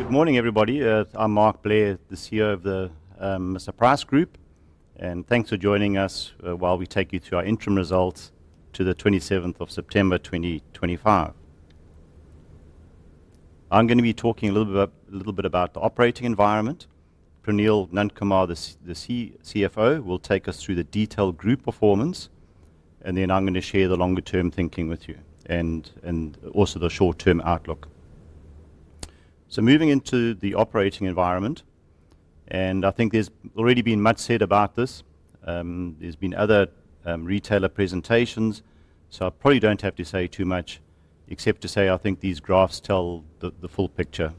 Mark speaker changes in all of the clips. Speaker 1: Good morning, everybody. I'm Mark Blair, the CEO of the Mr Price Group, and thanks for joining us while we take you through our interim results to the 27th of September, 2025. I'm going to be talking a little bit about the operating environment. Praneel Nundkumar, the CFO, will take us through the detailed group performance, and then I'm going to share the longer-term thinking with you and also the short-term outlook. Moving into the operating environment, I think there's already been much said about this. There have been other retailer presentations, so I probably don't have to say too much except to say I think these graphs tell the full picture.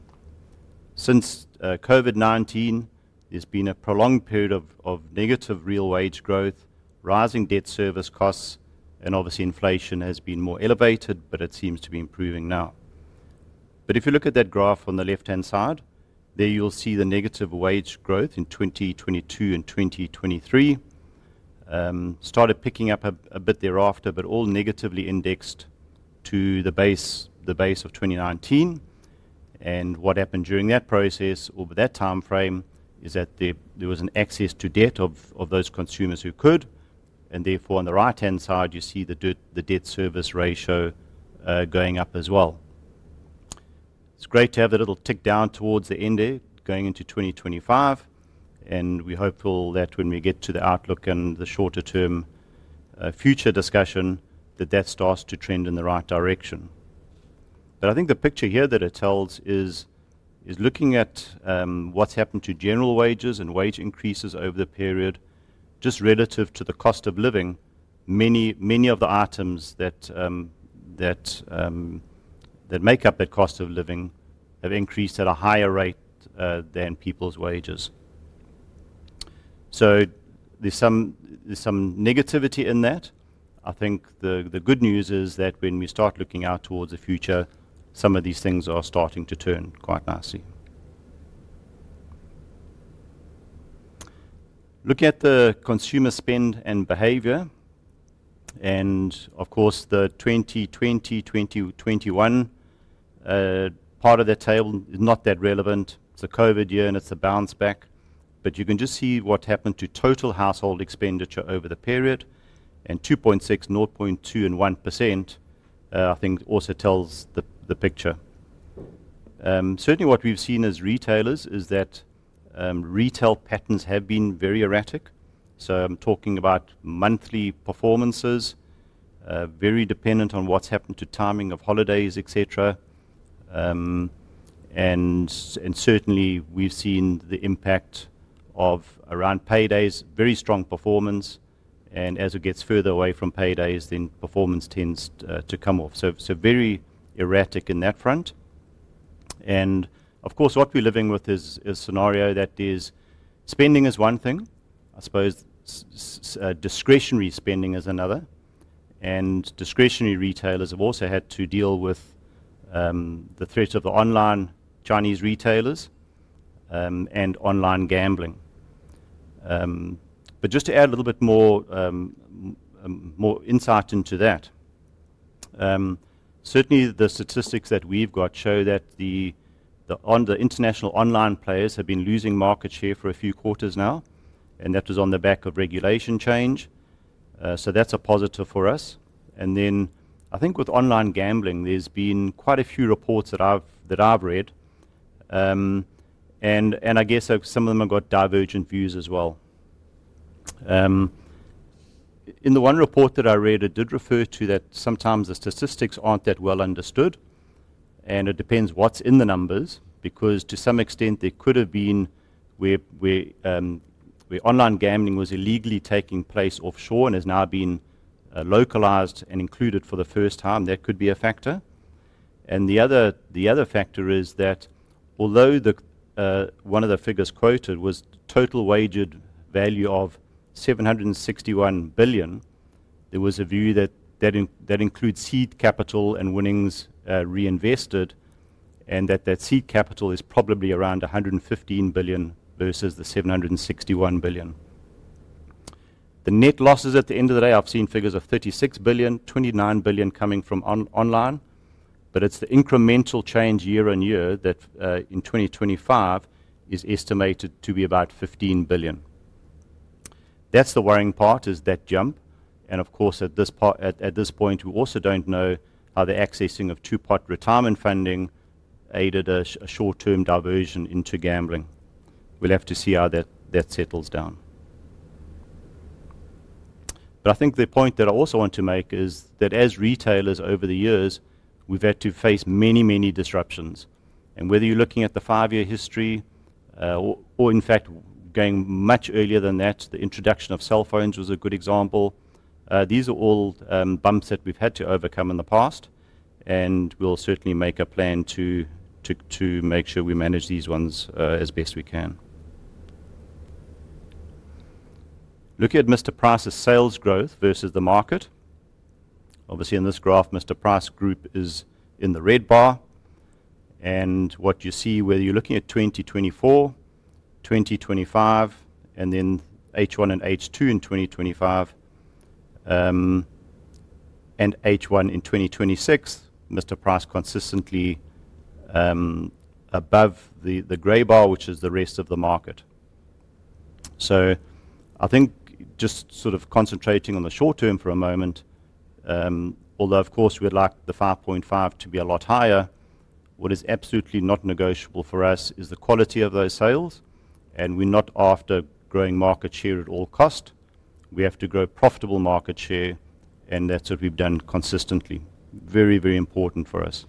Speaker 1: Since COVID-19, there has been a prolonged period of negative real wage growth, rising debt service costs, and obviously inflation has been more elevated, but it seems to be improving now. If you look at that graph on the left-hand side, there you'll see the negative wage growth in 2022 and 2023. It started picking up a bit thereafter, but all negatively indexed to the base of 2019. What happened during that process over that time frame is that there was an excess to debt of those consumers who could, and therefore on the right-hand side you see the debt service ratio going up as well. It's great to have that little tick down towards the end going into 2025, and we hope that when we get to the outlook and the shorter-term future discussion, that that starts to trend in the right direction. I think the picture here that it tells is looking at what's happened to general wages and wage increases over the period, just relative to the cost of living, many of the items that make up that cost of living have increased at a higher rate than people's wages. There is some negativity in that. I think the good news is that when we start looking out towards the future, some of these things are starting to turn quite nicely. Looking at the consumer spend and behavior, and of course the 2020-2021 part of that table is not that relevant. It's a COVID year, and it's a bounce back, but you can just see what happened to total household expenditure over the period, and 2.6, 0.2, and 1%, I think also tells the picture. Certainly what we've seen as retailers is that retail patterns have been very erratic. I'm talking about monthly performances, very dependent on what's happened to timing of holidays, et cetera. Certainly we've seen the impact of around paydays, very strong performance, and as it gets further away from paydays, then performance tends to come off. Very erratic in that front. Of course what we're living with is a scenario that is spending is one thing, I suppose discretionary spending is another, and discretionary retailers have also had to deal with the threat of the online Chinese retailers and online gambling. Just to add a little bit more insight into that, certainly the statistics that we've got show that the international online players have been losing market share for a few quarters now, and that was on the back of regulation change. That's a positive for us. I think with online gambling, there's been quite a few reports that I've read, and I guess some of them have got divergent views as well. In the one report that I read, it did refer to that sometimes the statistics aren't that well understood, and it depends what's in the numbers because to some extent there could have been where online gambling was illegally taking place offshore and has now been localized and included for the first time. That could be a factor. The other factor is that although one of the figures quoted was total wagered value of $761 billion, there was a view that that includes seed capital and winnings reinvested, and that that seed capital is probably around $115 billion versus the $761 billion. The net losses at the end of the day, I've seen figures of $36 billion, $29 billion coming from online, but it's the incremental change year on year that in 2025 is estimated to be about $15 billion. That's the worrying part, is that jump. At this point, we also don't know how the accessing of two-part retirement funding aided a short-term diversion into gambling. We'll have to see how that settles down. I think the point that I also want to make is that as retailers over the years, we've had to face many, many disruptions. Whether you're looking at the five-year history or in fact going much earlier than that, the introduction of cell phones was a good example. These are all bumps that we've had to overcome in the past, and we'll certainly make a plan to make sure we manage these ones as best we can. Looking at Mr Price's sales growth versus the market, obviously in this graph, Mr Price Group is in the red bar. What you see, whether you're looking at 2024, 2025, and then H1 and H2 in 2025, and H1 in 2026, Mr Price consistently above the grey bar, which is the rest of the market. I think just sort of concentrating on the short term for a moment, although of course we'd like the 5.5% to be a lot higher, what is absolutely not negotiable for us is the quality of those sales, and we're not after growing market share at all cost. We have to grow profitable market share, and that's what we've done consistently. Very, very important for us.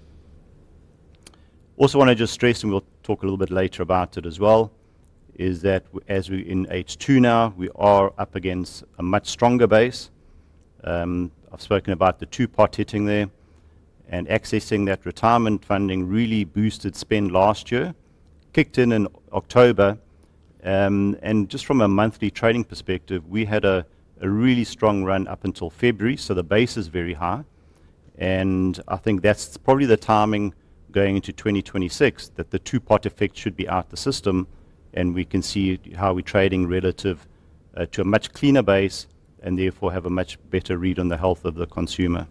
Speaker 1: I also want to just stress, and we'll talk a little bit later about it as well, is that as we're in H2 now, we are up against a much stronger base. I've spoken about the two-part hitting there, and accessing that retirement funding really boosted spend last year, kicked in in October. Just from a monthly trading perspective, we had a really strong run up until February, so the base is very high. I think that's probably the timing going into 2026 that the two-part effect should be out of the system, and we can see how we're trading relative to a much cleaner base and therefore have a much better read on the health of the consumer.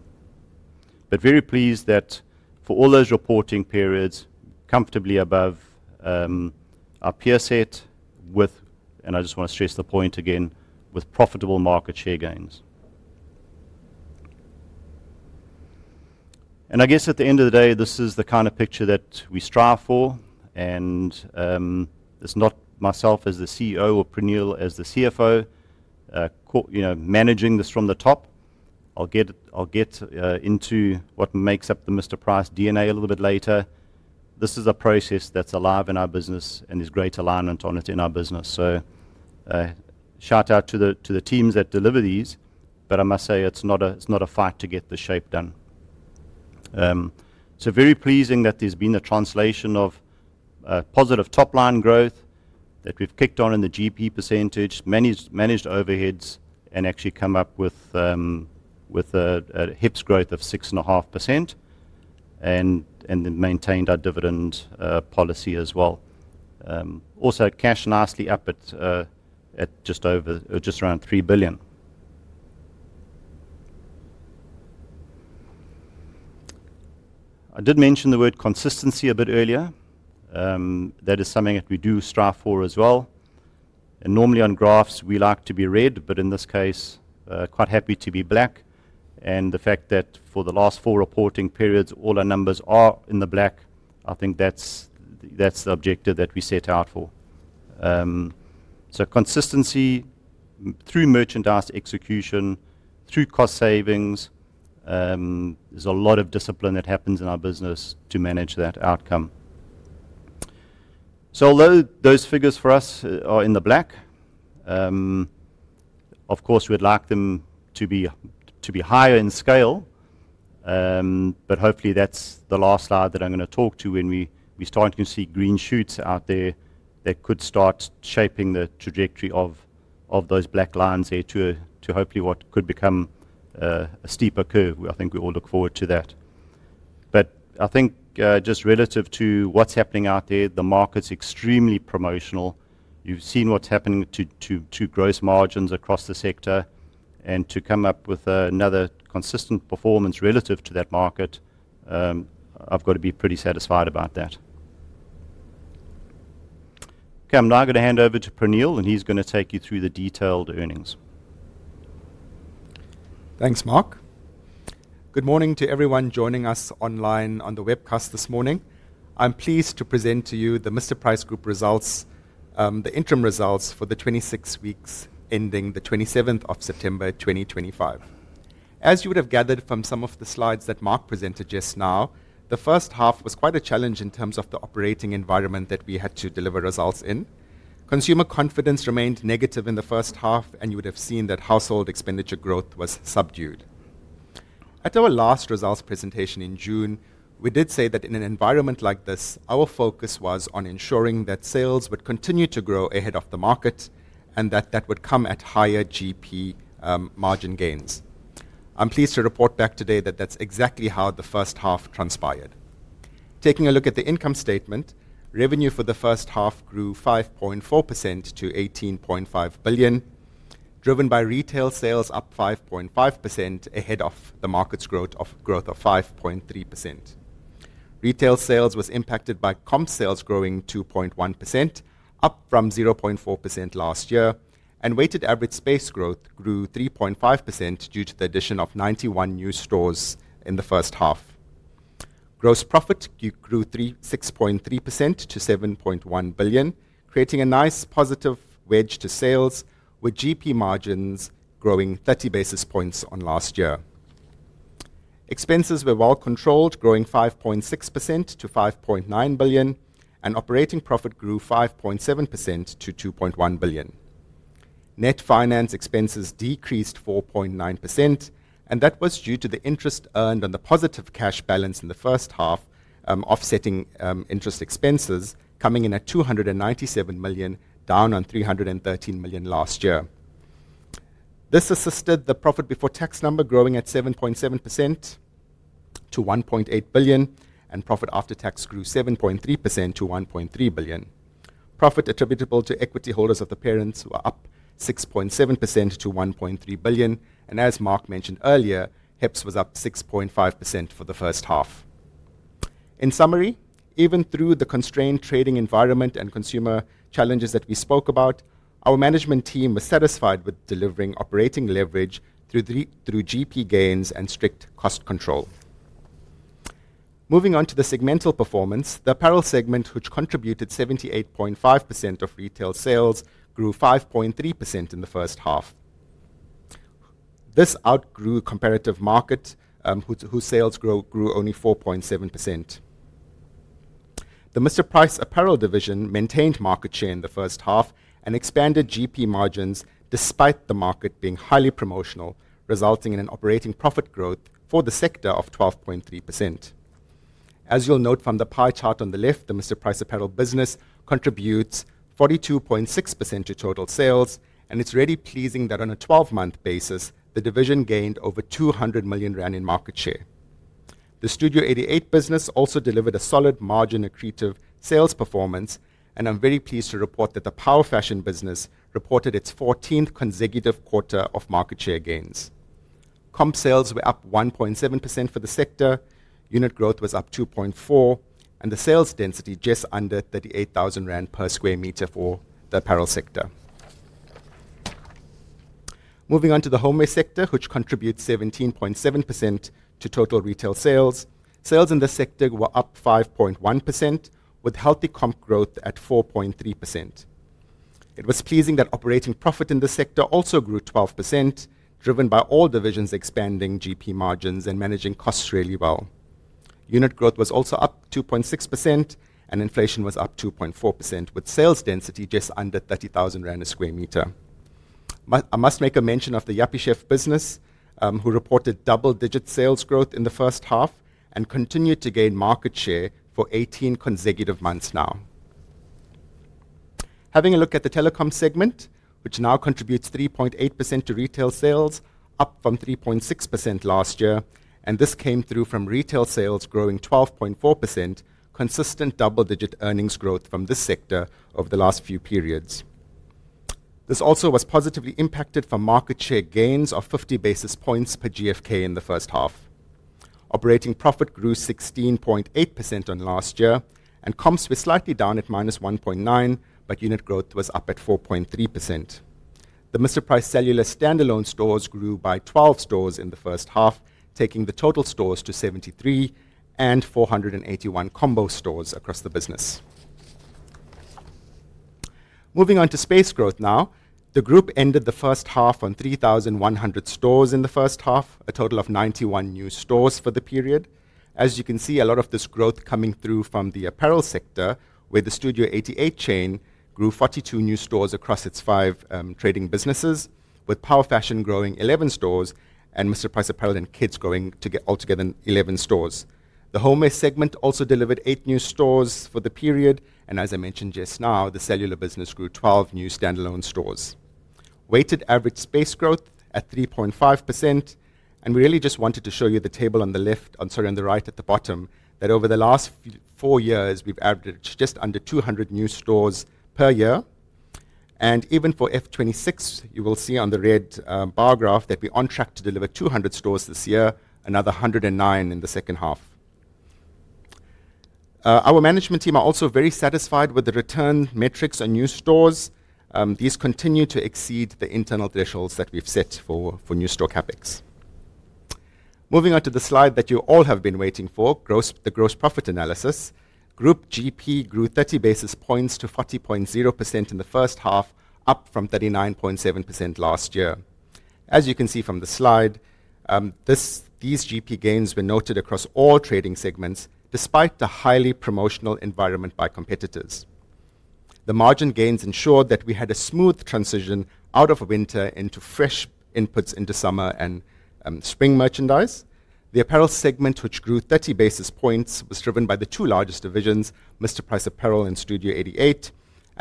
Speaker 1: Very pleased that for all those reporting periods, comfortably above our peer set with, and I just want to stress the point again, with profitable market share gains. I guess at the end of the day, this is the kind of picture that we strive for, and it's not myself as the CEO or Praneel as the CFO managing this from the top. I'll get into what makes up the Mr Price DNA a little bit later. This is a process that's alive in our business and is great alignment on it in our business. Shout out to the teams that deliver these, but I must say it's not a fight to get the shape done. Very pleasing that there's been the translation of positive top line growth that we've kicked on in the GP percentage, managed overheads and actually come up with a HEPS growth of 6.5% and then maintained our dividend policy as well. Also cash nicely up at just around ZAR 3 billion. I did mention the word consistency a bit earlier. That is something that we do strive for as well. Normally on graphs, we like to be red, but in this case, quite happy to be black. The fact that for the last four reporting periods, all our numbers are in the black, I think that's the objective that we set out for. Consistency through merchandise execution, through cost savings, there's a lot of discipline that happens in our business to manage that outcome. Although those figures for us are in the black, of course we'd like them to be higher in scale, but hopefully that's the last line that I'm going to talk to when we start to see green shoots out there that could start shaping the trajectory of those black lines there to hopefully what could become a steeper curve. I think we all look forward to that. I think just relative to what's happening out there, the market's extremely promotional. You've seen what's happening to gross margins across the sector, and to come up with another consistent performance relative to that market, I've got to be pretty satisfied about that. Okay, I'm now going to hand over to Praneel, and he's going to take you through the detailed earnings.
Speaker 2: Thanks, Mark. Good morning to everyone joining us online on the webcast this morning. I'm pleased to present to you the Mr Price Group results, the interim results for the 26 weeks ending the 27th of September, 2025. As you would have gathered from some of the slides that Mark presented just now, the first half was quite a challenge in terms of the operating environment that we had to deliver results in. Consumer confidence remained negative in the first half, and you would have seen that household expenditure growth was subdued. At our last results presentation in June, we did say that in an environment like this, our focus was on ensuring that sales would continue to grow ahead of the market and that that would come at higher GP margin gains. I'm pleased to report back today that that's exactly how the first half transpired. Taking a look at the income statement, revenue for the first half grew 5.4% to 18.5 billion, driven by retail sales up 5.5% ahead of the market's growth of 5.3%. Retail sales was impacted by comp sales growing 2.1%, up from 0.4% last year, and weighted average space growth grew 3.5% due to the addition of 91 new stores in the first half. Gross profit grew 6.3% to 7.1 billion, creating a nice positive wedge to sales, with GP margins growing 30 basis points on last year. Expenses were well controlled, growing 5.6% to 5.9 billion, and operating profit grew 5.7% to 2.1 billion. Net finance expenses decreased 4.9%, and that was due to the interest earned on the positive cash balance in the first half, offsetting interest expenses, coming in at 297 million, down on 313 million last year. This assisted the profit before tax number growing at 7.7% to 1.8 billion, and profit after tax grew 7.3% to 1.3 billion. Profit attributable to equity holders of the parent were up 6.7% to 1.3 billion, and as Mark mentioned earlier, HEPS was up 6.5% for the first half. In summary, even through the constrained trading environment and consumer challenges that we spoke about, our management team was satisfied with delivering operating leverage through GP gains and strict cost control. Moving on to the segmental performance, the apparel segment, which contributed 78.5% of retail sales, grew 5.3% in the first half. This outgrew comparative market, whose sales grew only 4.7%. The Mr Price Apparel division maintained market share in the first half and expanded GP margins despite the market being highly promotional, resulting in an operating profit growth for the sector of 12.3%. As you'll note from the pie chart on the left, the Mr Price Apparel business contributes 42.6% to total sales, and it's really pleasing that on a 12-month basis, the division gained over 200 million rand in market share. The Studio 88 business also delivered a solid margin accretive sales performance, and I'm very pleased to report that the Power Fashion business reported its 14th consecutive quarter of market share gains. Comp sales were up 1.7% for the sector, unit growth was up 2.4%, and the sales density just under 38,000 rand per sq m for the apparel sector. Moving on to the homeware sector, which contributes 17.7% to total retail sales, sales in the sector were up 5.1%, with healthy comp growth at 4.3%. It was pleasing that operating profit in the sector also grew 12%, driven by all divisions expanding GP margins and managing costs really well. Unit growth was also up 2.6%, and inflation was up 2.4%, with sales density just under 30,000 rand per square meter. I must make a mention of the Yuppiechef business, who reported double-digit sales growth in the first half and continued to gain market share for 18 consecutive months now. Having a look at the telecom segment, which now contributes 3.8% to retail sales, up from 3.6% last year, and this came through from retail sales growing 12.4%, consistent double-digit earnings growth from this sector over the last few periods. This also was positively impacted from market share gains of 50 basis points per GFK in the first half. Operating profit grew 16.8% on last year, and comps were slightly down at minus 1.9%, but unit growth was up at 4.3%. The Mr. Price Cellular standalone stores grew by 12 stores in the first half, taking the total stores to 73 and 481 combo stores across the business. Moving on to space growth now, the group ended the first half on 3,100 stores in the first half, a total of 91 new stores for the period. As you can see, a lot of this growth coming through from the apparel sector, where the Studio 88 chain grew 42 new stores across its five trading businesses, with Power Fashion growing 11 stores and Mr Price Apparel and Kids growing together 11 stores. The homeware segment also delivered eight new stores for the period, and as I mentioned just now, the cellular business grew 12 new standalone stores. Weighted average space growth at 3.5%, and we really just wanted to show you the table on the left, sorry, on the right at the bottom, that over the last four years, we've averaged just under 200 new stores per year. Even for F2026, you will see on the red bar graph that we're on track to deliver 200 stores this year, another 109 in the second half. Our management team are also very satisfied with the return metrics on new stores. These continue to exceed the internal thresholds that we've set for new store CapEx. Moving on to the slide that you all have been waiting for, the gross profit analysis, group GP grew 30 basis points to 40.0% in the first half, up from 39.7% last year. As you can see from the slide, these GP gains were noted across all trading segments despite the highly promotional environment by competitors. The margin gains ensured that we had a smooth transition out of winter into fresh inputs into summer and spring merchandise. The apparel segment, which grew 30 basis points, was driven by the two largest divisions, Mr Price Apparel and Studio 88.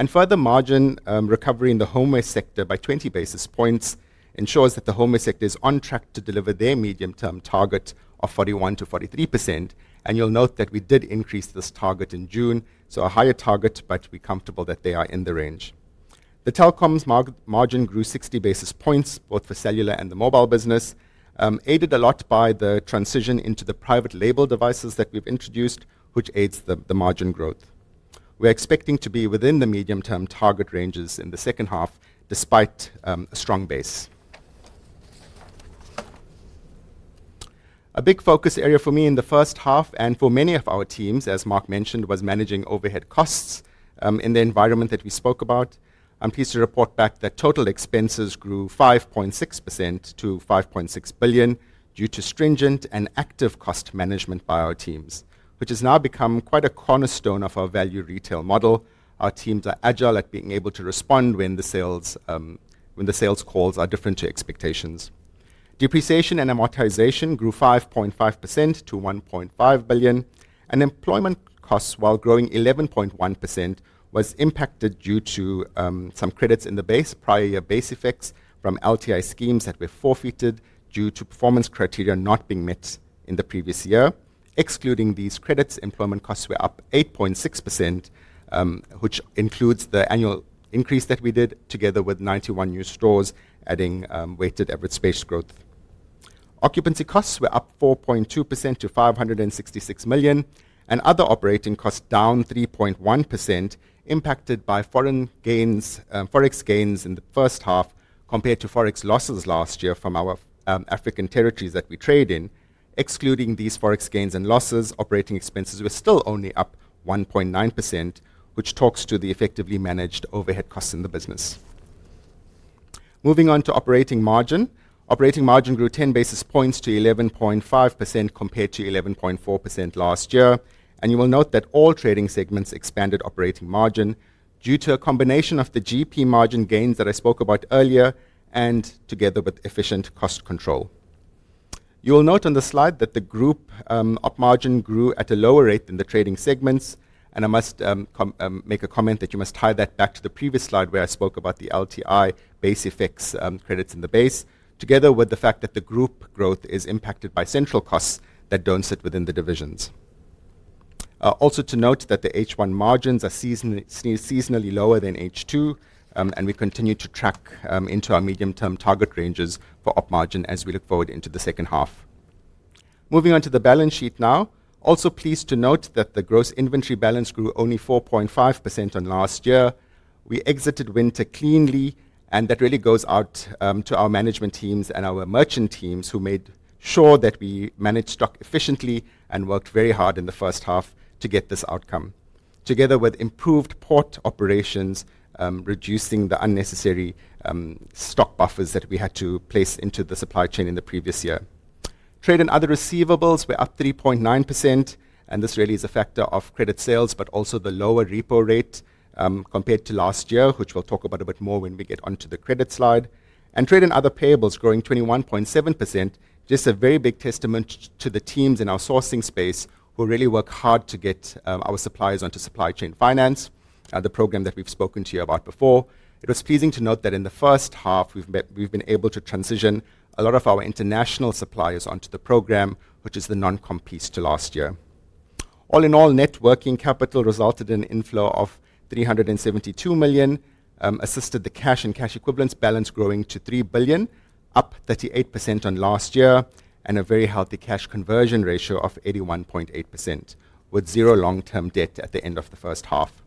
Speaker 2: Further margin recovery in the homeware sector by 20 basis points ensures that the homeware sector is on track to deliver their medium-term target of 41%-43%. You will note that we did increase this target in June, so a higher target, but we are comfortable that they are in the range. The telecoms margin grew 60 basis points, both for cellular and the mobile business, aided a lot by the transition into the private label devices that we've introduced, which aids the margin growth. We're expecting to be within the medium-term target ranges in the second half, despite a strong base. A big focus area for me in the first half, and for many of our teams, as Mark mentioned, was managing overhead costs in the environment that we spoke about. I'm pleased to report back that total expenses grew 5.6% to 5.6 billion due to stringent and active cost management by our teams, which has now become quite a cornerstone of our value retail model. Our teams are agile at being able to respond when the sales calls are different to expectations. Depreciation and amortization grew 5.5% to 1.5 billion. Employment costs, while growing 11.1%, were impacted due to some credits in the prior year base effects from LTI schemes that were forfeited due to performance criteria not being met in the previous year. Excluding these credits, employment costs were up 8.6%, which includes the annual increase that we did together with 91 new stores, adding weighted average space growth. Occupancy costs were up 4.2% to 566 million, and other operating costs down 3.1%, impacted by foreign gains, forex gains in the first half compared to forex losses last year from our African territories that we trade in. Excluding these forex gains and losses, operating expenses were still only up 1.9%, which talks to the effectively managed overhead costs in the business. Moving on to operating margin, operating margin grew 10 basis points to 11.5% compared to 11.4% last year. You will note that all trading segments expanded operating margin due to a combination of the GP margin gains that I spoke about earlier, together with efficient cost control. You will note on the slide that the group up margin grew at a lower rate than the trading segments, and I must make a comment that you must tie that back to the previous slide where I spoke about the LTI base effects credits in the base, together with the fact that the group growth is impacted by central costs that do not sit within the divisions. Also to note that the H1 margins are seasonally lower than H2, and we continue to track into our medium-term target ranges for up margin as we look forward into the second half. Moving on to the balance sheet now, also pleased to note that the gross inventory balance grew only 4.5% on last year. We exited winter cleanly, and that really goes out to our management teams and our merchant teams who made sure that we managed stock efficiently and worked very hard in the first half to get this outcome, together with improved port operations, reducing the unnecessary stock buffers that we had to place into the supply chain in the previous year. Trade and other receivables were up 3.9%, and this really is a factor of credit sales, but also the lower repo rate compared to last year, which we'll talk about a bit more when we get onto the credit slide. Trade and other payables growing 21.7%, just a very big testament to the teams in our sourcing space who really work hard to get our suppliers onto supply chain finance, the program that we've spoken to you about before. It was pleasing to note that in the first half, we've been able to transition a lot of our international suppliers onto the program, which is the non-comp piece to last year. All in all, net working capital resulted in an inflow of 372 million, assisted the cash and cash equivalence balance growing to 3 billion, up 38% on last year, and a very healthy cash conversion ratio of 81.8%, with zero long-term debt at the end of the first half.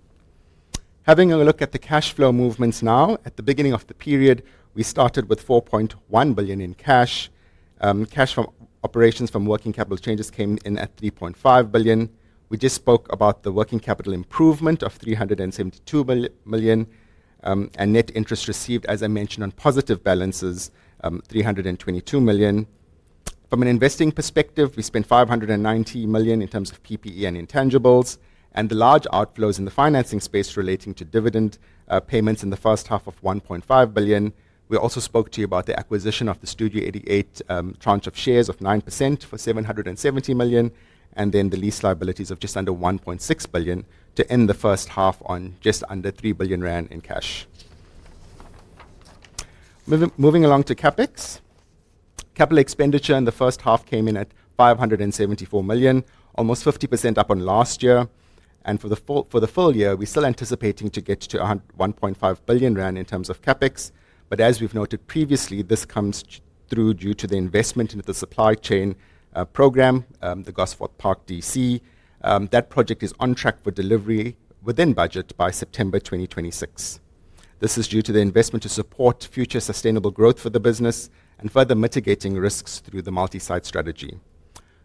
Speaker 2: Having a look at the cash flow movements now, at the beginning of the period, we started with 4.1 billion in cash. Cash from operations from working capital changes came in at 3.5 billion. We just spoke about the working capital improvement of 372 million, and net interest received, as I mentioned, on positive balances, 322 million. From an investing perspective, we spent 590 million in terms of PPE and intangibles, and the large outflows in the financing space relating to dividend payments in the first half of 1.5 billion. We also spoke to you about the acquisition of the Studio 88 tranche of shares of 9% for 770 million, and then the lease liabilities of just under 1.6 billion to end the first half on just under 3 billion rand in cash. Moving along to CapEx, capital expenditure in the first half came in at 574 million, almost 50% up on last year. For the full year, we're still anticipating to get to 1.5 billion rand in terms of CapEx, but as we've noted previously, this comes through due to the investment into the supply chain program, the Gosford Park DC. That project is on track for delivery within budget by September 2026. This is due to the investment to support future sustainable growth for the business and further mitigating risks through the multi-site strategy.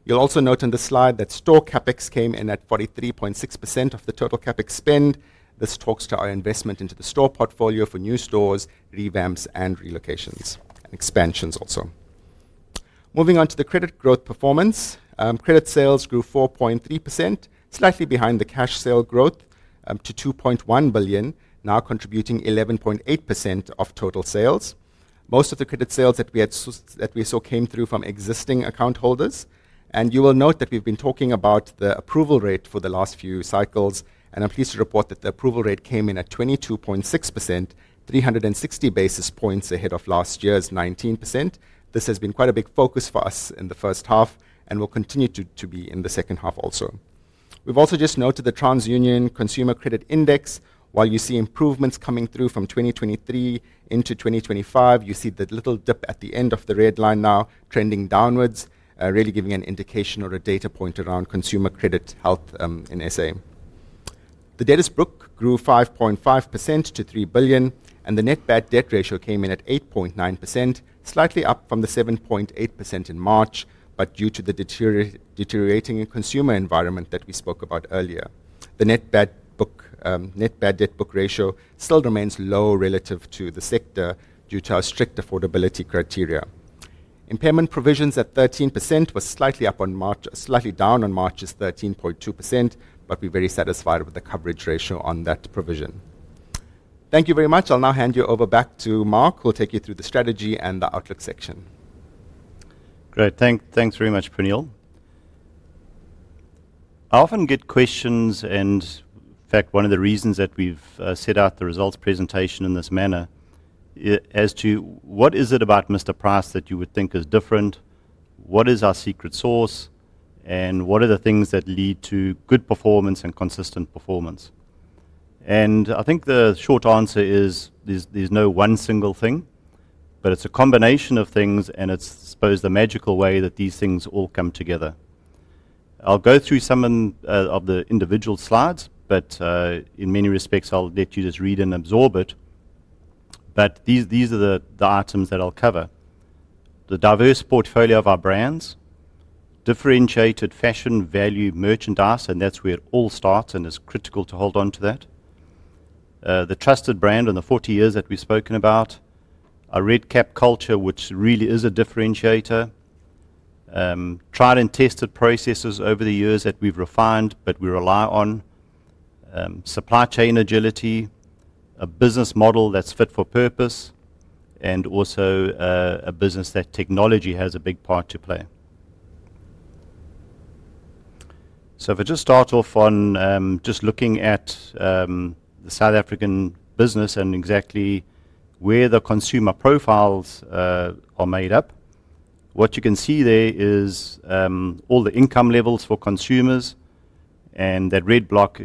Speaker 2: You'll also note on the slide that store CapEx came in at 43.6% of the total CapEx spend. This talks to our investment into the store portfolio for new stores, revamps, and relocations, and expansions also. Moving on to the credit growth performance, credit sales grew 4.3%, slightly behind the cash sale growth to $2.1 billion, now contributing 11.8% of total sales. Most of the credit sales that we saw came through from existing account holders. You will note that we've been talking about the approval rate for the last few cycles, and I'm pleased to report that the approval rate came in at 22.6%, 360 basis points ahead of last year's 19%. This has been quite a big focus for us in the first half and will continue to be in the second half also. We've also just noted the TransUnion Consumer Credit Index. While you see improvements coming through from 2023 into 2025, you see the little dip at the end of the red line now trending downwards, really giving an indication or a data point around consumer credit health in South Africa. The Dennis Brook grew 5.5% to 3 billion, and the net bad debt ratio came in at 8.9%, slightly up from the 7.8% in March, but due to the deteriorating consumer environment that we spoke about earlier. The net bad debt book ratio still remains low relative to the sector due to our strict affordability criteria. Impairment provisions at 13% were slightly down on March's 13.2%, but we're very satisfied with the coverage ratio on that provision. Thank you very much. I'll now hand you over back to Mark, who'll take you through the strategy and the outlook section.
Speaker 1: Great. Thanks very much, Praneel. I often get questions, and in fact, one of the reasons that we've set out the results presentation in this manner is as to what is it about Mr Price that you would think is different? What is our secret sauce? What are the things that lead to good performance and consistent performance? I think the short answer is there's no one single thing, but it's a combination of things, and it's, I suppose, the magical way that these things all come together. I'll go through some of the individual slides, but in many respects, I'll let you just read and absorb it. These are the items that I'll cover: the diverse portfolio of our brands, differentiated fashion value merchandise, and that's where it all starts, and it's critical to hold on to that. The trusted brand and the 40 years that we've spoken about, a red cap culture, which really is a differentiator, tried and tested processes over the years that we've refined, but we rely on, supply chain agility, a business model that's fit for purpose, and also a business that technology has a big part to play. If I just start off on just looking at the South African business and exactly where the consumer profiles are made up, what you can see there is all the income levels for consumers, and that red block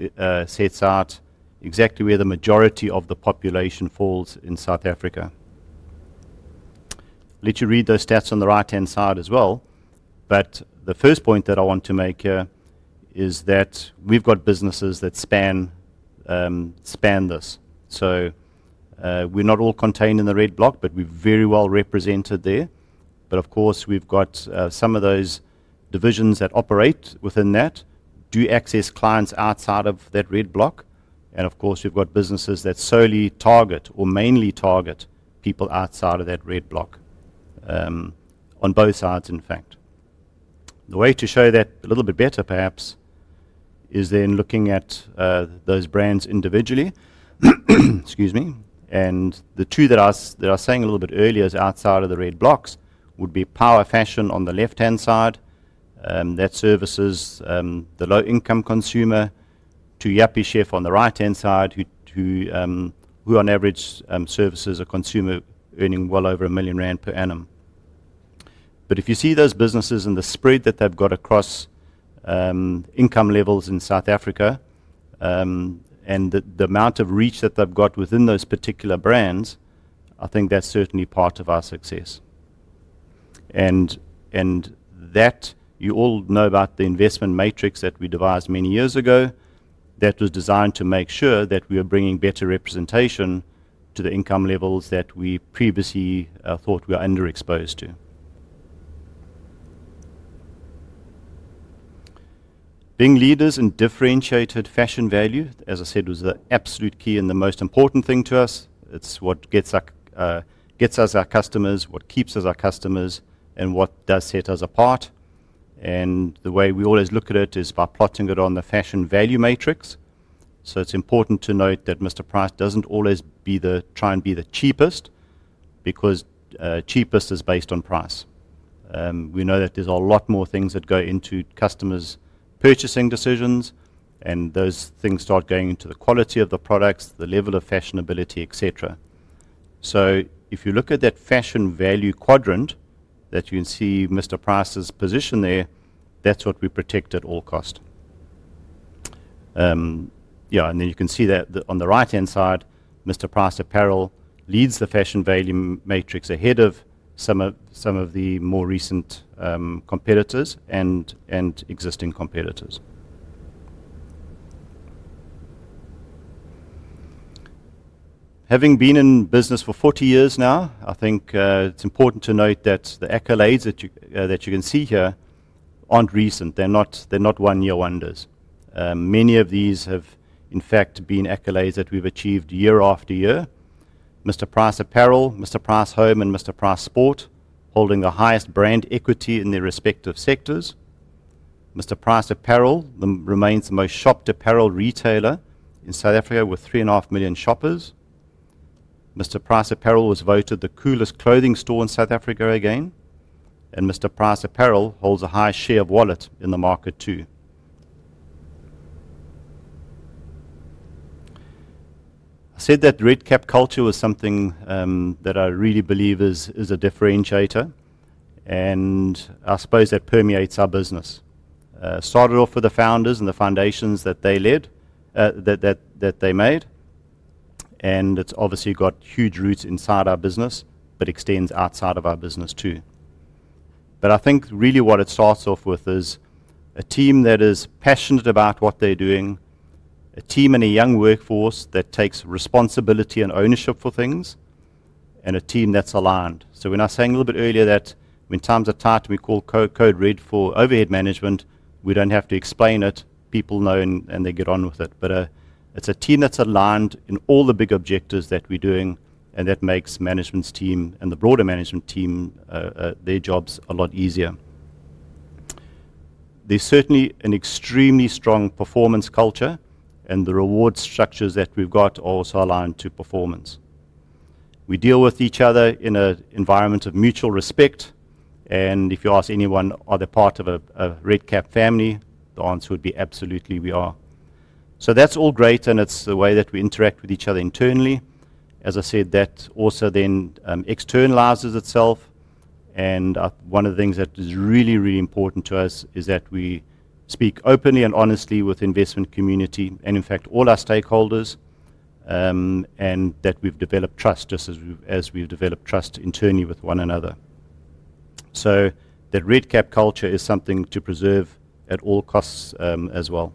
Speaker 1: sets out exactly where the majority of the population falls in South Africa. I'll let you read those stats on the right-hand side as well. The first point that I want to make here is that we've got businesses that span this. We're not all contained in the red block, but we're very well represented there. Of course, we've got some of those divisions that operate within that do access clients outside of that red block. Of course, we've got businesses that solely target or mainly target people outside of that red block, on both sides, in fact. The way to show that a little bit better, perhaps, is then looking at those brands individually. Excuse me. The two that I was saying a little bit earlier outside of the red blocks would be Power Fashion on the left-hand side, that services the low-income consumer, to Yuppiechef on the right-hand side, who on average services a consumer earning well over 1 million rand per annum. If you see those businesses and the spread that they've got across income levels in South Africa and the amount of reach that they've got within those particular brands, I think that's certainly part of our success. You all know about the investment matrix that we devised many years ago that was designed to make sure that we were bringing better representation to the income levels that we previously thought we were underexposed to. Being leaders in differentiated fashion value, as I said, was the absolute key and the most important thing to us. It's what gets us our customers, what keeps us our customers, and what does set us apart. The way we always look at it is by plotting it on the fashion value matrix. It's important to note that Mr. Price doesn't always try and be the cheapest because cheapest is based on price. We know that there's a lot more things that go into customers' purchasing decisions, and those things start going into the quality of the products, the level of fashionability, etc. If you look at that fashion value quadrant that you can see Mr Price's position there, that's what we protect at all cost. Yeah. You can see that on the right-hand side, Mr Price Apparel leads the fashion value matrix ahead of some of the more recent competitors and existing competitors. Having been in business for 40 years now, I think it's important to note that the accolades that you can see here aren't recent. They're not one-year wonders. Many of these have, in fact, been accolades that we've achieved year after year: Mr Price Apparel, Mr Price Home, and Mr. Price Sport, holding the highest brand equity in their respective sectors. Mr Price Apparel remains the most shopped apparel retailer in South Africa with three and a half million shoppers. Mr Price Apparel was voted the coolest clothing store in South Africa again, and Mr Price Apparel holds a high share of wallet in the market too. I said that red cap culture was something that I really believe is a differentiator, and I suppose that permeates our business. Started off with the founders and the foundations that they led, that they made, and it's obviously got huge roots inside our business, but extends outside of our business too. I think really what it starts off with is a team that is passionate about what they're doing, a team and a young workforce that takes responsibility and ownership for things, and a team that's aligned. When I was saying a little bit earlier that when times are tight and we call code red for overhead management, we do not have to explain it. People know and they get on with it. It is a team that is aligned in all the big objectives that we are doing, and that makes management's team and the broader management team their jobs a lot easier. There is certainly an extremely strong performance culture, and the reward structures that we have got are also aligned to performance. We deal with each other in an environment of mutual respect. If you ask anyone are they part of a red cap family, the answer would be absolutely we are. That is all great, and it is the way that we interact with each other internally. As I said, that also then externalizes itself. One of the things that is really, really important to us is that we speak openly and honestly with the investment community and, in fact, all our stakeholders, and that we've developed trust just as we've developed trust internally with one another. That red cap culture is something to preserve at all costs as well.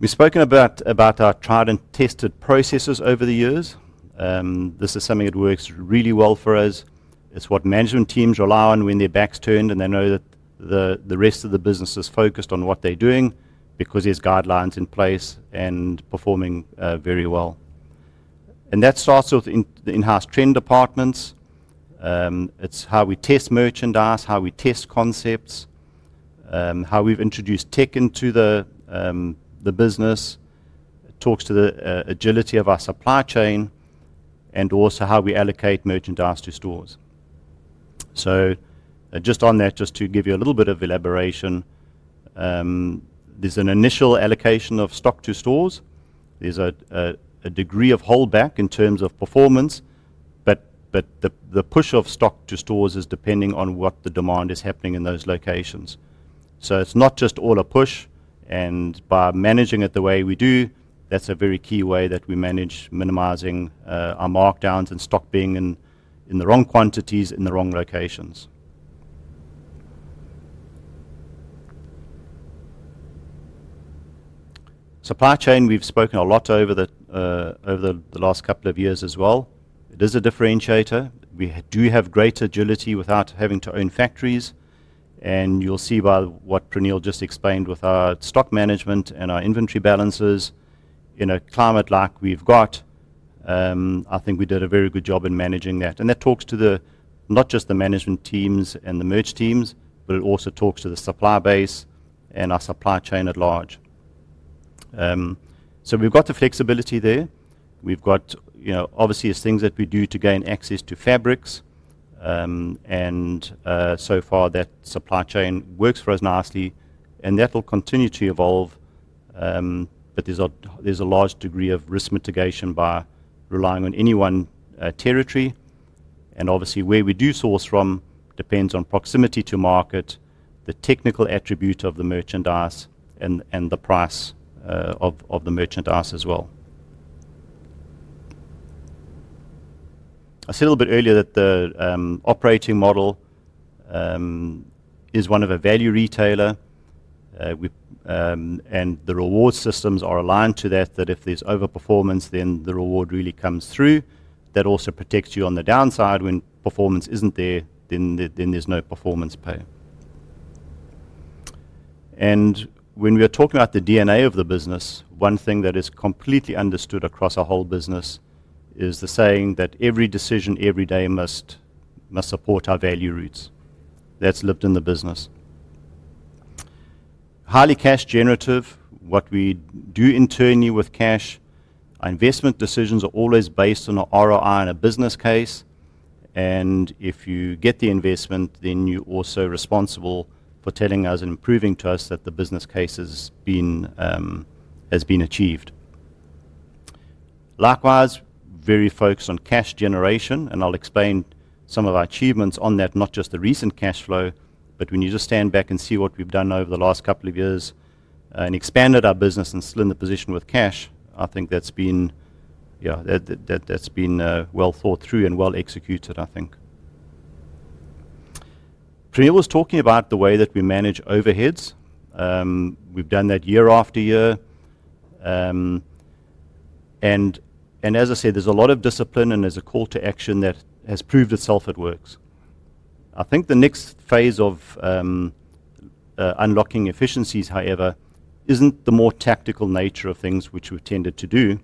Speaker 1: We've spoken about our tried and tested processes over the years. This is something that works really well for us. It's what management teams rely on when their backs turned, and they know that the rest of the business is focused on what they're doing because there's guidelines in place and performing very well. That starts off in the in-house trend departments. It's how we test merchandise, how we test concepts, how we've introduced tech into the business, talks to the agility of our supply chain, and also how we allocate merchandise to stores. Just on that, just to give you a little bit of elaboration, there's an initial allocation of stock to stores. There's a degree of holdback in terms of performance, but the push of stock to stores is depending on what the demand is happening in those locations. It's not just all a push, and by managing it the way we do, that's a very key way that we manage minimizing our markdowns and stock being in the wrong quantities in the wrong locations. Supply chain, we've spoken a lot over the last couple of years as well. It is a differentiator. We do have great agility without having to own factories. You will see by what Praneel just explained with our stock management and our inventory balances in a climate like we have, I think we did a very good job in managing that. That talks to not just the management teams and the merch teams, but it also talks to the supply base and our supply chain at large. We have the flexibility there. Obviously, there are things that we do to gain access to fabrics, and so far that supply chain works for us nicely, and that will continue to evolve. There is a large degree of risk mitigation by relying on any one territory. Obviously, where we do source from depends on proximity to market, the technical attribute of the merchandise, and the price of the merchandise as well. I said a little bit earlier that the operating model is one of a value retailer, and the reward systems are aligned to that, that if there's overperformance, then the reward really comes through. That also protects you on the downside. When performance isn't there, then there's no performance pay. When we're talking about the DNA of the business, one thing that is completely understood across our whole business is the saying that every decision every day must support our value roots. That's lived in the business. Highly cash generative. What we do internally with cash, our investment decisions are always based on an ROI and a business case. If you get the investment, then you're also responsible for telling us and proving to us that the business case has been achieved. Likewise, very focused on cash generation, and I'll explain some of our achievements on that, not just the recent cash flow, but when you just stand back and see what we've done over the last couple of years and expanded our business and still in the position with cash, I think that's been well thought through and well executed, I think. Praneel was talking about the way that we manage overheads. We've done that year after year. As I said, there's a lot of discipline, and there's a call to action that has proved itself at work. I think the next phase of unlocking efficiencies, however, isn't the more tactical nature of things which we've tended to do.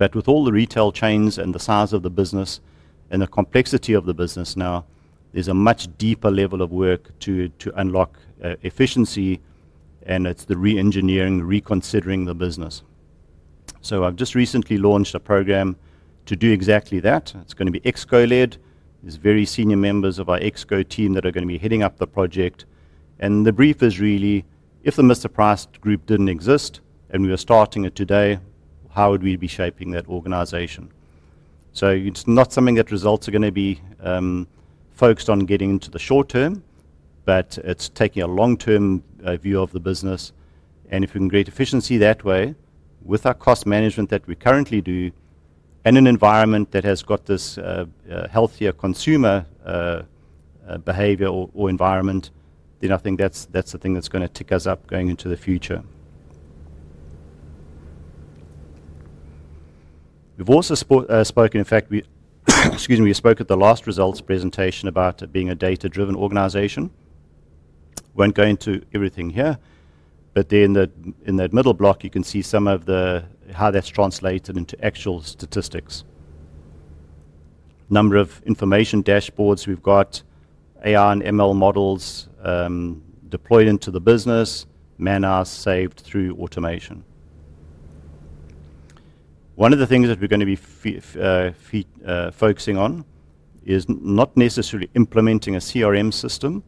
Speaker 1: With all the retail chains and the size of the business and the complexity of the business now, there's a much deeper level of work to unlock efficiency, and it's the re-engineering, reconsidering the business. I've just recently launched a program to do exactly that. It's going to be Exco-led. There are very senior members of our Exco team that are going to be heading up the project. The brief is really, if the Mr Price Group didn't exist and we were starting it today, how would we be shaping that organization? It's not something that results are going to be focused on getting into the short term, but it's taking a long-term view of the business. If we can create efficiency that way with our cost management that we currently do and an environment that has got this healthier consumer behavior or environment, I think that's the thing that's going to tick us up going into the future. We've also spoken, in fact, excuse me, we spoke at the last results presentation about being a data-driven organization. I won't go into everything here, but in that middle block, you can see some of how that's translated into actual statistics. Number of information dashboards we've got, AI and ML models deployed into the business, man-hours saved through automation. One of the things that we're going to be focusing on is not necessarily implementing a CRM system,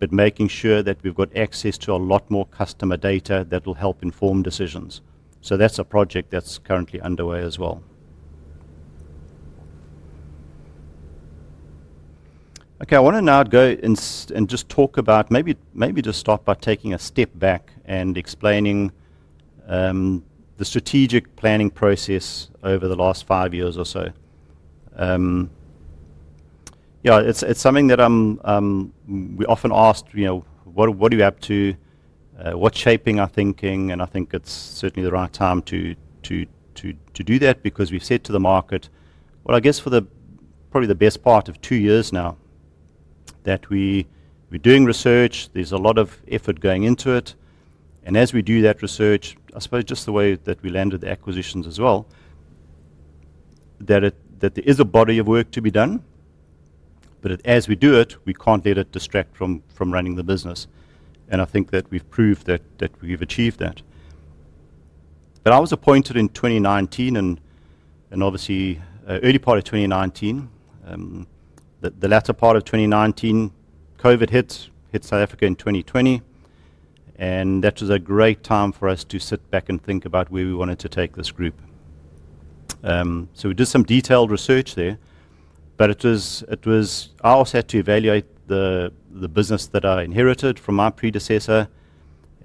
Speaker 1: but making sure that we've got access to a lot more customer data that will help inform decisions. That's a project that's currently underway as well. Okay. I want to now go and just talk about maybe just start by taking a step back and explaining the strategic planning process over the last five years or so. Yeah. It's something that we're often asked, "What are you up to? What's shaping our thinking?" I think it's certainly the right time to do that because we've said to the market, "Well, I guess for probably the best part of two years now that we're doing research, there's a lot of effort going into it." As we do that research, I suppose just the way that we landed the acquisitions as well, that there is a body of work to be done, but as we do it, we can't let it distract from running the business. I think that we've proved that we've achieved that. I was appointed in 2019, and obviously, early part of 2019. The latter part of 2019, COVID hit South Africa in 2020, and that was a great time for us to sit back and think about where we wanted to take this group. We did some detailed research there, but I also had to evaluate the business that I inherited from my predecessor,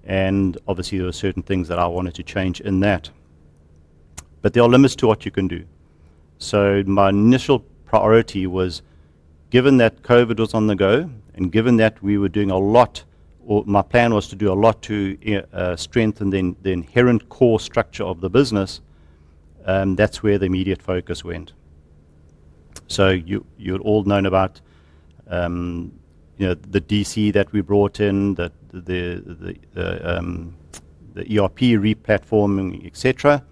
Speaker 1: and obviously, there were certain things that I wanted to change in that. There are limits to what you can do. My initial priority was, given that COVID was on the go and given that we were doing a lot or my plan was to do a lot to strengthen the inherent core structure of the business, that's where the immediate focus went. You have all known about the DC that we brought in, the ERP replatforming, etc.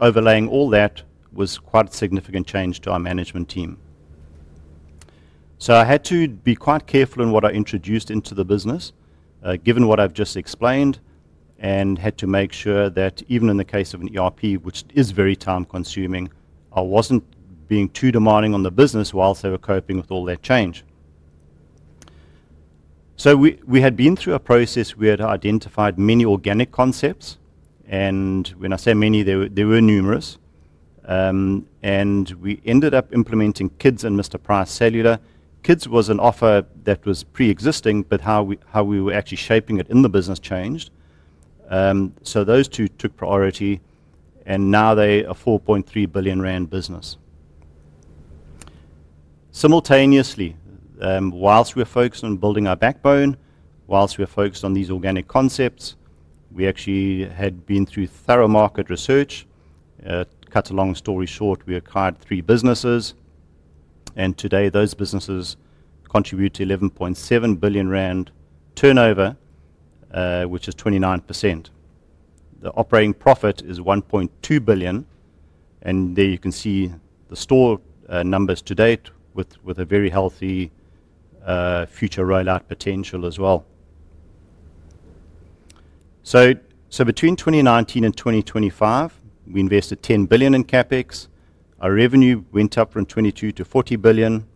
Speaker 1: Overlaying all that was quite a significant change to our management team. I had to be quite careful in what I introduced into the business, given what I have just explained, and had to make sure that even in the case of an ERP, which is very time-consuming, I was not being too demanding on the business whilst they were coping with all that change. We had been through a process where it identified many organic concepts, and when I say many, there were numerous. We ended up implementing Kids and Mr Price Cellular. Kids was an offer that was pre-existing, but how we were actually shaping it in the business changed. Those two took priority, and now they are a 4.3 billion rand business. Simultaneously, whilst we were focused on building our backbone, whilst we were focused on these organic concepts, we actually had been through thorough market research. Cut a long story short, we acquired three businesses, and today those businesses contribute to 11.7 billion rand turnover, which is 29%. The operating profit is 1.2 billion, and there you can see the store numbers to date with a very healthy future rollout potential as well. Between 2019 and 2025, we invested 10 billion in CapEx. Our revenue went up from 22 billion to 40 billion,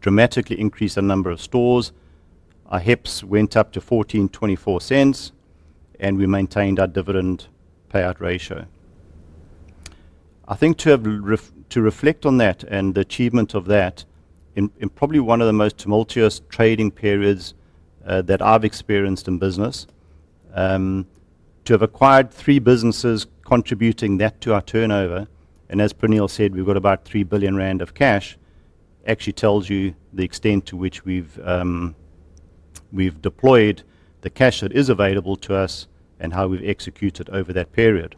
Speaker 1: dramatically increased the number of stores. Our HEPS went up to 0.1424, and we maintained our dividend payout ratio. I think to reflect on that and the achievement of that in probably one of the most tumultuous trading periods that I've experienced in business, to have acquired three businesses contributing that to our turnover, and as Praneel said, we've got about 3 billion rand of cash, actually tells you the extent to which we've deployed the cash that is available to us and how we've executed over that period.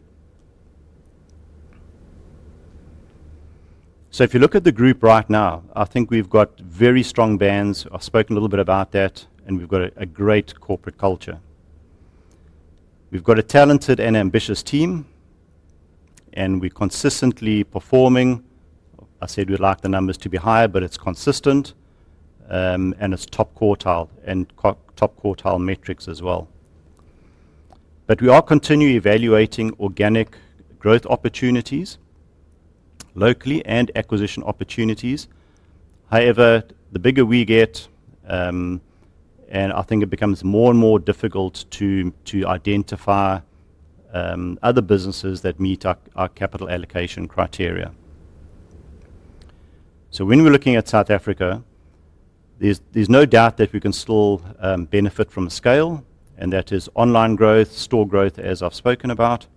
Speaker 1: If you look at the group right now, I think we've got very strong brands. I've spoken a little bit about that, and we've got a great corporate culture. We've got a talented and ambitious team, and we're consistently performing. I said we'd like the numbers to be higher, but it's consistent, and it's top quartile and top quartile metrics as well. We are continually evaluating organic growth opportunities locally and acquisition opportunities. However, the bigger we get, I think it becomes more and more difficult to identify other businesses that meet our capital allocation criteria. When we're looking at South Africa, there's no doubt that we can still benefit from scale, and that is online growth, store growth, as I've spoken about.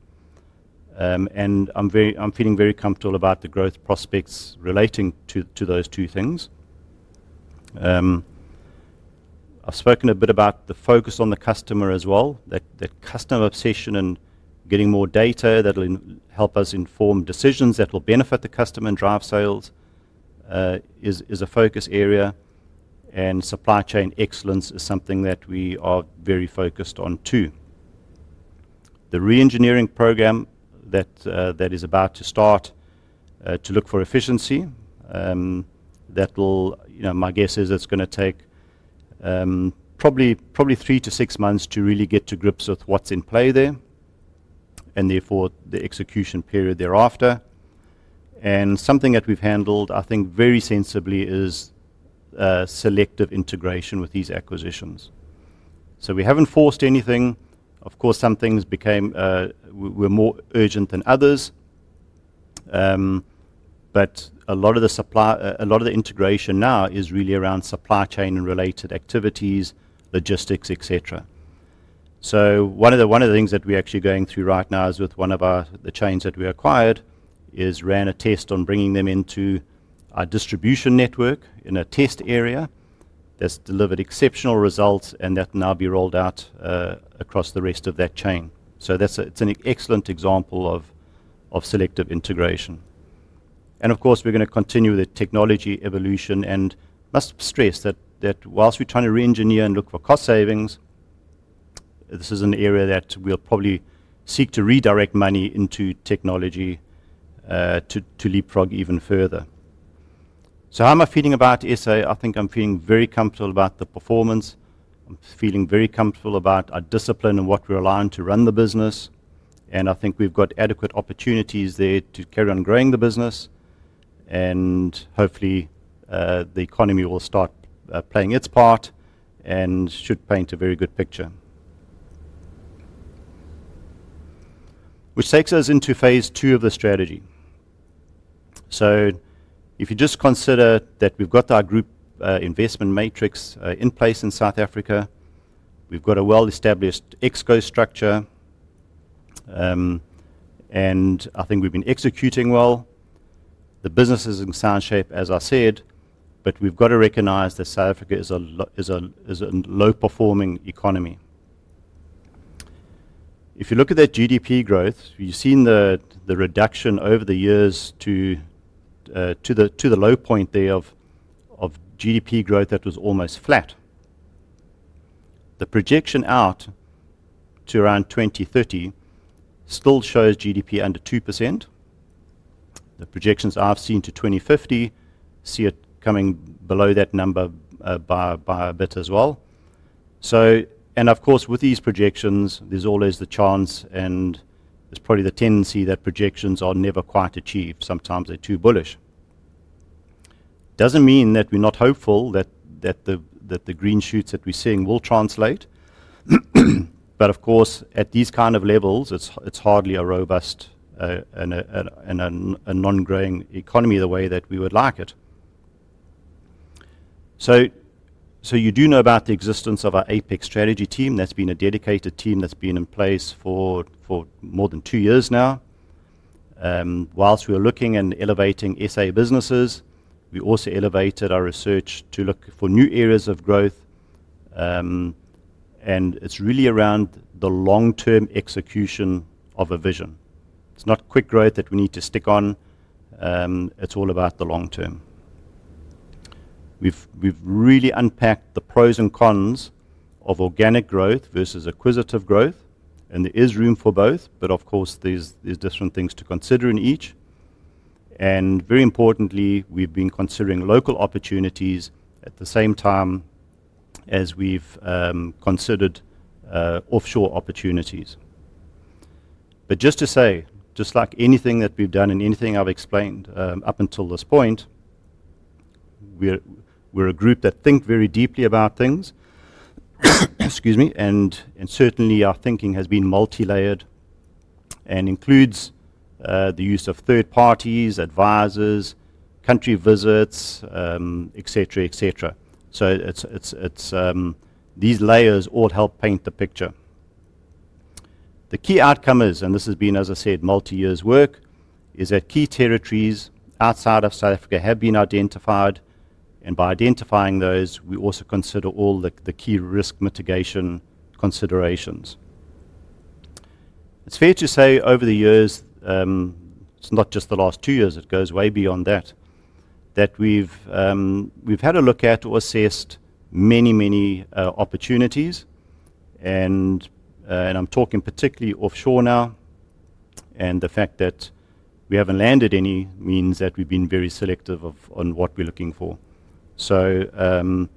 Speaker 1: I'm feeling very comfortable about the growth prospects relating to those two things. I've spoken a bit about the focus on the customer as well, that customer obsession and getting more data that'll help us inform decisions that will benefit the customer and drive sales is a focus area, and supply chain excellence is something that we are very focused on too. The re-engineering program that is about to start to look for efficiency, that will, my guess is it's going to take probably three to six months to really get to grips with what's in play there and therefore the execution period thereafter. Something that we've handled, I think very sensibly, is selective integration with these acquisitions. We haven't forced anything. Of course, some things became more urgent than others, but a lot of the integration now is really around supply chain and related activities, logistics, etc. One of the things that we're actually going through right now is with one of the chains that we acquired, is ran a test on bringing them into our distribution network in a test area. That's delivered exceptional results, and that will now be rolled out across the rest of that chain. It's an excellent example of selective integration. Of course, we're going to continue the technology evolution and must stress that whilst we're trying to re-engineer and look for cost savings, this is an area that we'll probably seek to redirect money into technology to leapfrog even further. How am I feeling about ESA? I think I'm feeling very comfortable about the performance. I'm feeling very comfortable about our discipline and what we're allowing to run the business. I think we've got adequate opportunities there to carry on growing the business, and hopefully, the economy will start playing its part and should paint a very good picture. This takes us into phase two of the strategy. If you just consider that we've got our group investment matrix in place in South Africa, we've got a well-established Exco structure, and I think we've been executing well. The business is in sound shape, as I said, but we've got to recognize that South Africa is a low-performing economy. If you look at that GDP growth, you've seen the reduction over the years to the low point there of GDP growth that was almost flat. The projection out to around 2030 still shows GDP under 2%. The projections I've seen to 2050 see it coming below that number by a bit as well. Of course, with these projections, there's always the chance, and there's probably the tendency that projections are never quite achieved. Sometimes they're too bullish. Doesn't mean that we're not hopeful that the green shoots that we're seeing will translate. Of course, at these kind of levels, it's hardly a robust and a non-growing economy the way that we would like it. You do know about the existence of our Apex Strategy team. That's been a dedicated team that's been in place for more than two years now. Whilst we were looking and elevating ESA businesses, we also elevated our research to look for new areas of growth. It's really around the long-term execution of a vision. It's not quick growth that we need to stick on. It's all about the long term. We've really unpacked the pros and cons of organic growth versus acquisitive growth, and there is room for both, of course, there's different things to consider in each. Very importantly, we've been considering local opportunities at the same time as we've considered offshore opportunities. Just to say, just like anything that we've done and anything I've explained up until this point, we're a group that thinks very deeply about things. Excuse me. Certainly, our thinking has been multilayered and includes the use of third parties, advisors, country visits, etc., etc. These layers all help paint the picture. The key outcome is, and this has been, as I said, multi-years' work, that key territories outside of South Africa have been identified, and by identifying those, we also consider all the key risk mitigation considerations. It's fair to say over the years, it's not just the last two years. It goes way beyond that, that we've had a look at or assessed many, many opportunities. I'm talking particularly offshore now, and the fact that we haven't landed any means that we've been very selective on what we're looking for. Once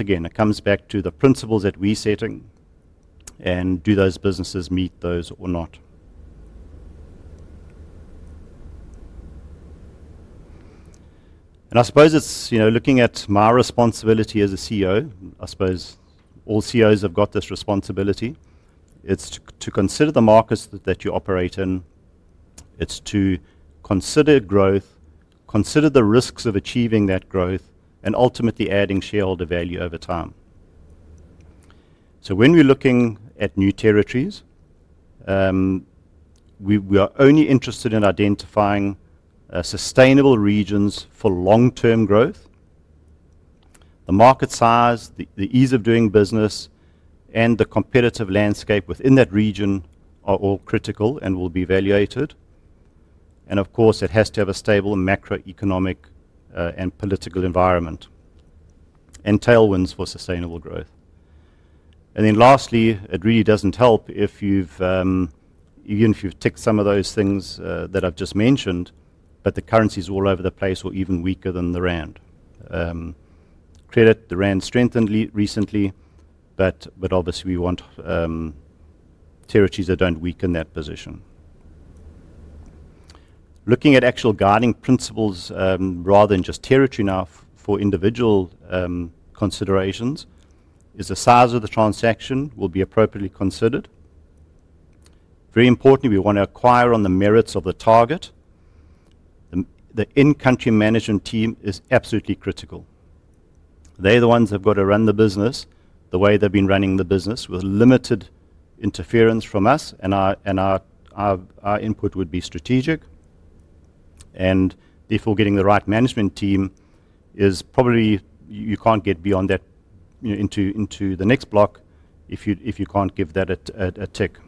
Speaker 1: again, it comes back to the principles that we're setting and do those businesses meet those or not. I suppose it's looking at my responsibility as a CEO. I suppose all CEOs have got this responsibility. It's to consider the markets that you operate in. It's to consider growth, consider the risks of achieving that growth, and ultimately adding shareholder value over time. When we're looking at new territories, we are only interested in identifying sustainable regions for long-term growth. The market size, the ease of doing business, and the competitive landscape within that region are all critical and will be evaluated. Of course, it has to have a stable macroeconomic and political environment and tailwinds for sustainable growth. Lastly, it really doesn't help if you've ticked some of those things that I've just mentioned, but the currencies all over the place are even weaker than the rand. Credit, the rand strengthened recently, but obviously, we want territories that don't weaken that position. Looking at actual guiding principles rather than just territory now for individual considerations, is the size of the transaction will be appropriately considered? Very importantly, we want to acquire on the merits of the target. The in-country management team is absolutely critical. They're the ones that have got to run the business the way they've been running the business with limited interference from us, and our input would be strategic. If we're getting the right management team, you can't get beyond that into the next block if you can't give that a tick.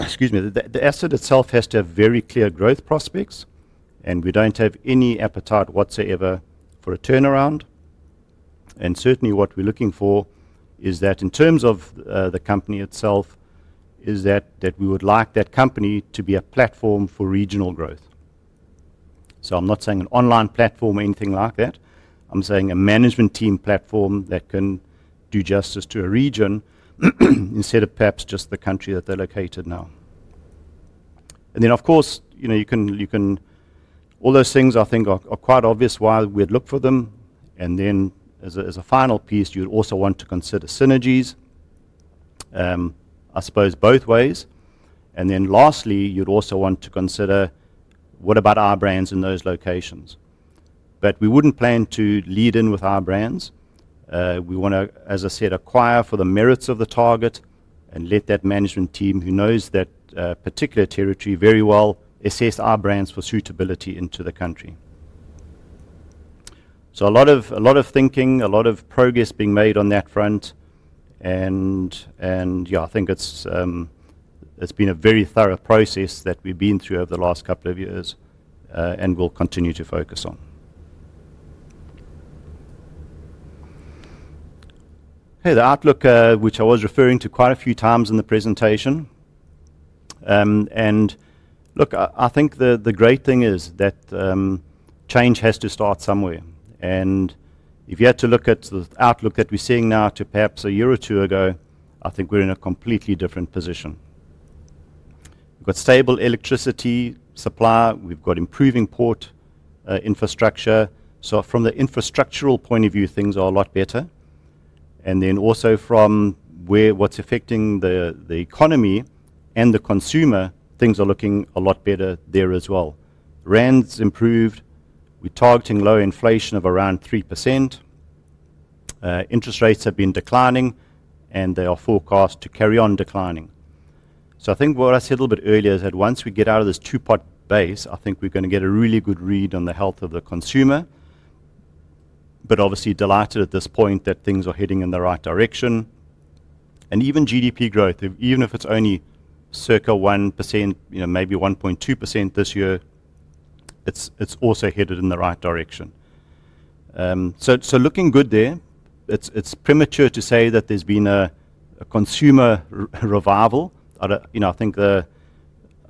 Speaker 1: Excuse me. The asset itself has to have very clear growth prospects, and we don't have any appetite whatsoever for a turnaround. Certainly, what we're looking for is that in terms of the company itself, is that we would like that company to be a platform for regional growth. I'm not saying an online platform or anything like that. I'm saying a management team platform that can do justice to a region instead of perhaps just the country that they're located now. Of course, all those things, I think, are quite obvious why we'd look for them. As a final piece, you'd also want to consider synergies, I suppose, both ways. Lastly, you'd also want to consider what about our brands in those locations. We wouldn't plan to lead in with our brands. We want to, as I said, acquire for the merits of the target and let that management team who knows that particular territory very well assess our brands for suitability into the country. A lot of thinking, a lot of progress being made on that front. Yeah, I think it's been a very thorough process that we've been through over the last couple of years and will continue to focus on. The outlook, which I was referring to quite a few times in the presentation. I think the great thing is that change has to start somewhere. If you had to look at the outlook that we're seeing now to perhaps a year or two ago, I think we're in a completely different position. We've got stable electricity supply. We've got improving port infrastructure. From the infrastructural point of view, things are a lot better. Also, from what's affecting the economy and the consumer, things are looking a lot better there as well. ZAR has improved. We're targeting low inflation of around 3%. Interest rates have been declining, and they are forecast to carry on declining. I think what I said a little bit earlier is that once we get out of this two-part base, I think we're going to get a really good read on the health of the consumer, but obviously delighted at this point that things are heading in the right direction. Even GDP growth, even if it's only circa 1%, maybe 1.2% this year, it's also headed in the right direction. Looking good there. It's premature to say that there's been a consumer revival. I think the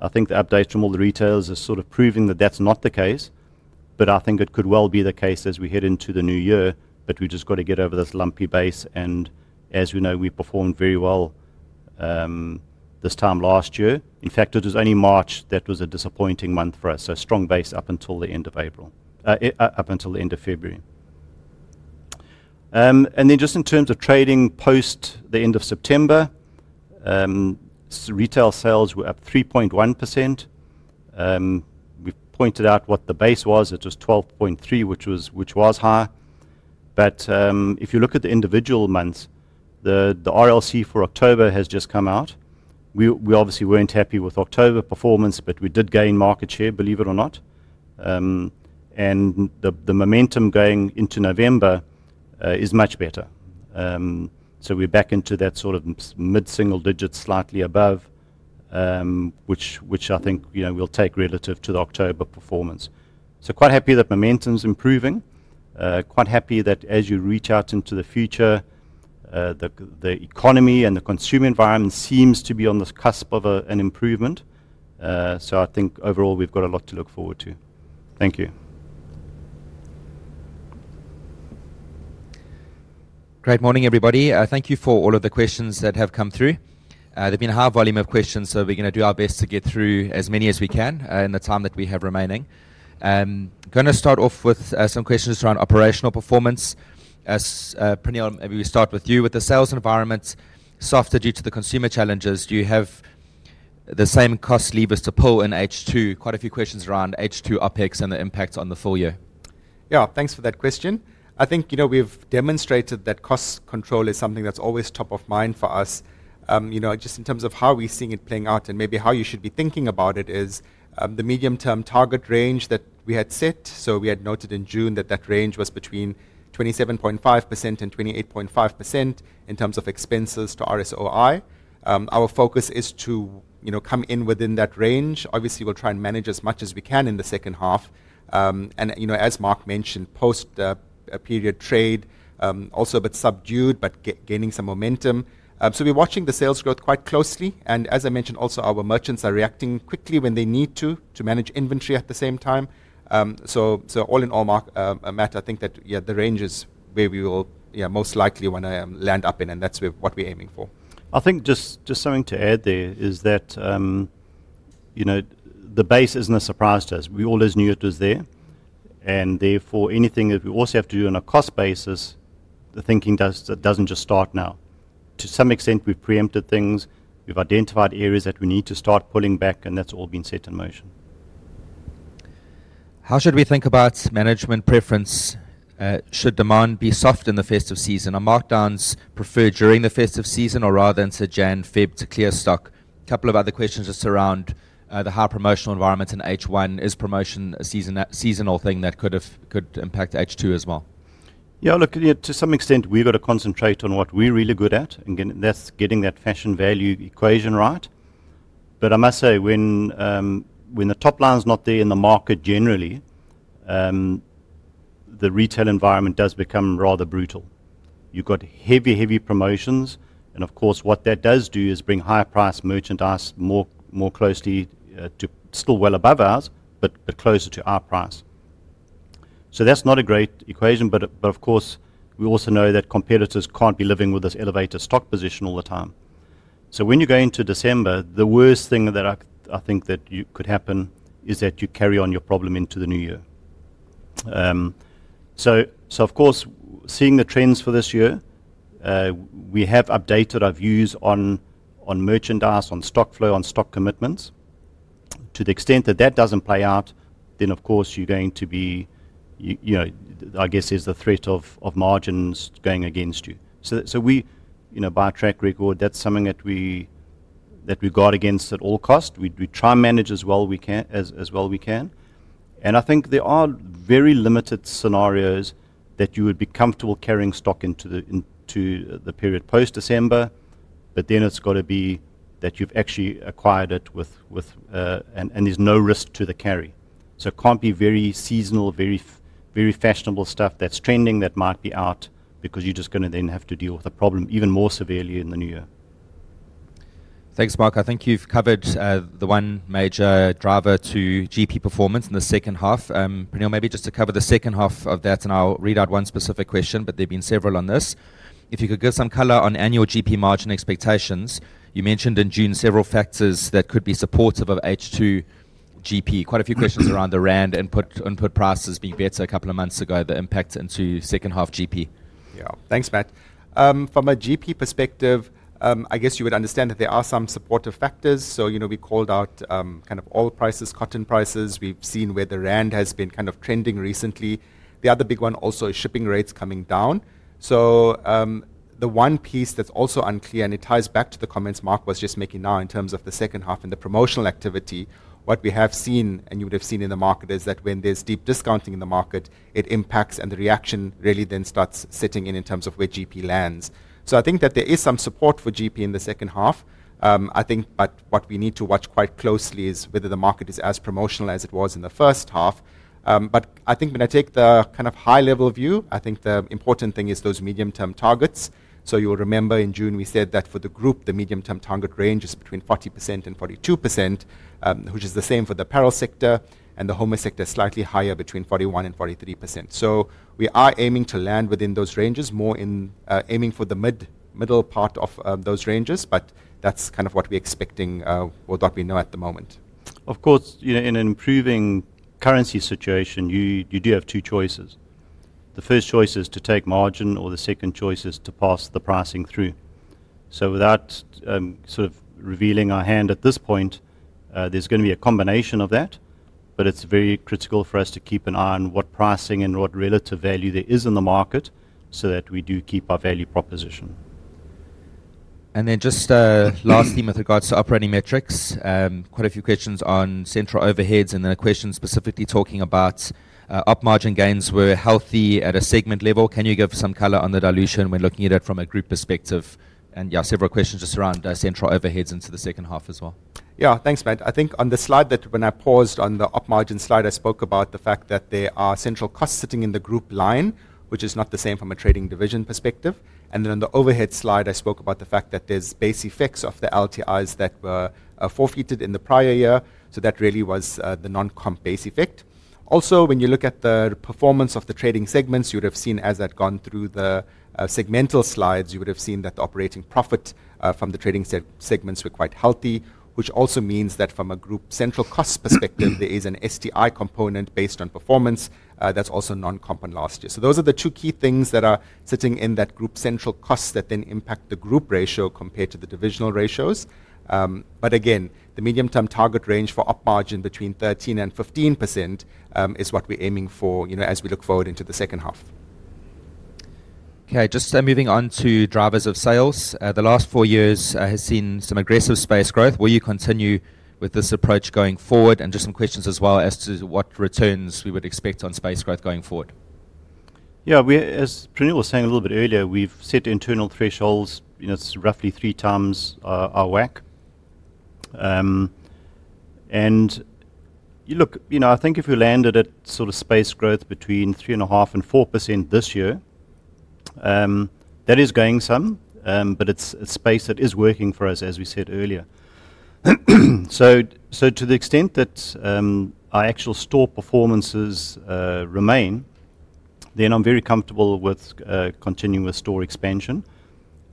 Speaker 1: updates from all the retailers are sort of proving that that's not the case, but I think it could well be the case as we head into the new year, but we've just got to get over this lumpy base. As we know, we performed very well this time last year. In fact, it was only March that was a disappointing month for us, so a strong base up until the end of April, up until the end of February. Then just in terms of trading post the end of September, retail sales were up 3.1%. We've pointed out what the base was. It was 12.3%, which was high. If you look at the individual months, the RLC for October has just come out. We obviously weren't happy with October performance, but we did gain market share, believe it or not. The momentum going into November is much better. We're back into that sort of mid-single digit, slightly above, which I think we'll take relative to the October performance. Quite happy that momentum's improving. Quite happy that as you reach out into the future, the economy and the consumer environment seems to be on the cusp of an improvement. I think overall, we've got a lot to look forward to. Thank you.
Speaker 3: Great morning, everybody. Thank you for all of the questions that have come through. There have been a high volume of questions, so we're going to do our best to get through as many as we can in the time that we have remaining. Going to start off with some questions around operational performance. Praneel, maybe we start with you. With the sales environment softer due to the consumer challenges, do you have the same cost levers to pull in H2? Quite a few questions around H2 OpEx and the impact on the full year.
Speaker 2: Yeah, thanks for that question. I think we've demonstrated that cost control is something that's always top of mind for us. Just in terms of how we're seeing it playing out and maybe how you should be thinking about it is the medium-term target range that we had set. We had noted in June that that range was between 27.5% and 28.5% in terms of expenses to RSOI. Our focus is to come in within that range. Obviously, we'll try and manage as much as we can in the second half. As Mark mentioned, post-period trade also a bit subdued, but gaining some momentum. We're watching the sales growth quite closely. As I mentioned, also our merchants are reacting quickly when they need to to manage inventory at the same time. All in all, Mark, Matt, I think that the range is where we will most likely want to land up in, and that's what we're aiming for.
Speaker 3: I think just something to add there is that the base isn't a surprise to us. We all just knew it was there. Therefore, anything that we also have to do on a cost basis, the thinking doesn't just start now. To some extent, we've preempted things. We've identified areas that we need to start pulling back, and that's all been set in motion.
Speaker 2: How should we think about management preference? Should demand be soft in the first of season? Are markdowns preferred during the first of season or rather instead January February to clear stock? A couple of other questions just around the high promotional environment in H1. Is promotion a seasonal thing that could impact H2 as well?
Speaker 1: Yeah, look, to some extent, we've got to concentrate on what we're really good at. Again, that's getting that fashion value equation right. I must say, when the top line's not there in the market generally, the retail environment does become rather brutal. You've got heavy, heavy promotions. Of course, what that does do is bring higher-priced merchandise more closely to, still well above ours, but closer to our price. That's not a great equation. Of course, we also know that competitors can't be living with this elevated stock position all the time. When you go into December, the worst thing that I think that could happen is that you carry on your problem into the new year. Seeing the trends for this year, we have updated our views on merchandise, on stock flow, on stock commitments. To the extent that that does not play out, of course, you are going to be, I guess, there is the threat of margins going against you. By track record, that is something that we guard against at all costs. We try and manage as well as we can. I think there are very limited scenarios that you would be comfortable carrying stock into the period post-December, but then it has got to be that you have actually acquired it and there is no risk to the carry. It cannot be very seasonal, very fashionable stuff that is trending that might be out because you are just going to then have to deal with the problem even more severely in the new year.
Speaker 3: Thanks, Mark. I think you've covered the one major driver to GP performance in the second half. Praneel, maybe just to cover the second half of that, and I'll read out one specific question, but there've been several on this. If you could give some color on annual GP margin expectations, you mentioned in June several factors that could be supportive of H2 GP. Quite a few questions around the rand input prices being better a couple of months ago, the impact into second half GP. Yeah, thanks, Matt. From a GP perspective, I guess you would understand that there are some supportive factors. We called out kind of oil prices, cotton prices. We've seen where the rand has been kind of trending recently. The other big one also is shipping rates coming down. The one piece that's also unclear, and it ties back to the comments Mark was just making now in terms of the second half and the promotional activity, what we have seen, and you would have seen in the market, is that when there's deep discounting in the market, it impacts and the reaction really then starts setting in in terms of where GP lands. I think that there is some support for GP in the second half. I think what we need to watch quite closely is whether the market is as promotional as it was in the first half. I think when I take the kind of high-level view, I think the important thing is those medium-term targets. You'll remember in June, we said that for the group, the medium-term target range is between 40%-42%, which is the same for the apparel sector, and the home sector is slightly higher between 41%-43%. We are aiming to land within those ranges, more in aiming for the middle part of those ranges, but that's kind of what we're expecting or what we know at the moment. Of course, in an improving currency situation, you do have two choices. The first choice is to take margin, or the second choice is to pass the pricing through. Without sort of revealing our hand at this point, there's going to be a combination of that, but it's very critical for us to keep an eye on what pricing and what relative value there is in the market so that we do keep our value proposition. Just last theme with regards to operating metrics. Quite a few questions on central overheads and then a question specifically talking about up margin gains were healthy at a segment level. Can you give some color on the dilution when looking at it from a group perspective? Yeah, several questions just around central overheads into the second half as well.
Speaker 1: Yeah, thanks, Matt. I think on the slide that when I paused on the up margin slide, I spoke about the fact that there are central costs sitting in the group line, which is not the same from a trading division perspective. On the overhead slide, I spoke about the fact that there's base effects of the LTIs that were forfeited in the prior year. That really was the non-comp base effect. Also, when you look at the performance of the trading segments, you would have seen as you had gone through the segmental slides, you would have seen that the operating profit from the trading segments were quite healthy, which also means that from a group central cost perspective, there is an STI component based on performance that's also non-component last year. Those are the two key things that are sitting in that group central costs that then impact the group ratio compared to the divisional ratios. Again, the medium-term target range for up margin between 13% and 15% is what we're aiming for as we look forward into the second half.
Speaker 3: Okay, just moving on to drivers of sales. The last four years has seen some aggressive space growth. Will you continue with this approach going forward? Just some questions as well as to what returns we would expect on space growth going forward.
Speaker 1: Yeah, as Praneel was saying a little bit earlier, we've set internal thresholds. It's roughly three times our WAC. Look, I think if we landed at sort of space growth between 3.5% and 4% this year, that is going some, but it's space that is working for us, as we said earlier. To the extent that our actual store performances remain, then I'm very comfortable with continuing with store expansion.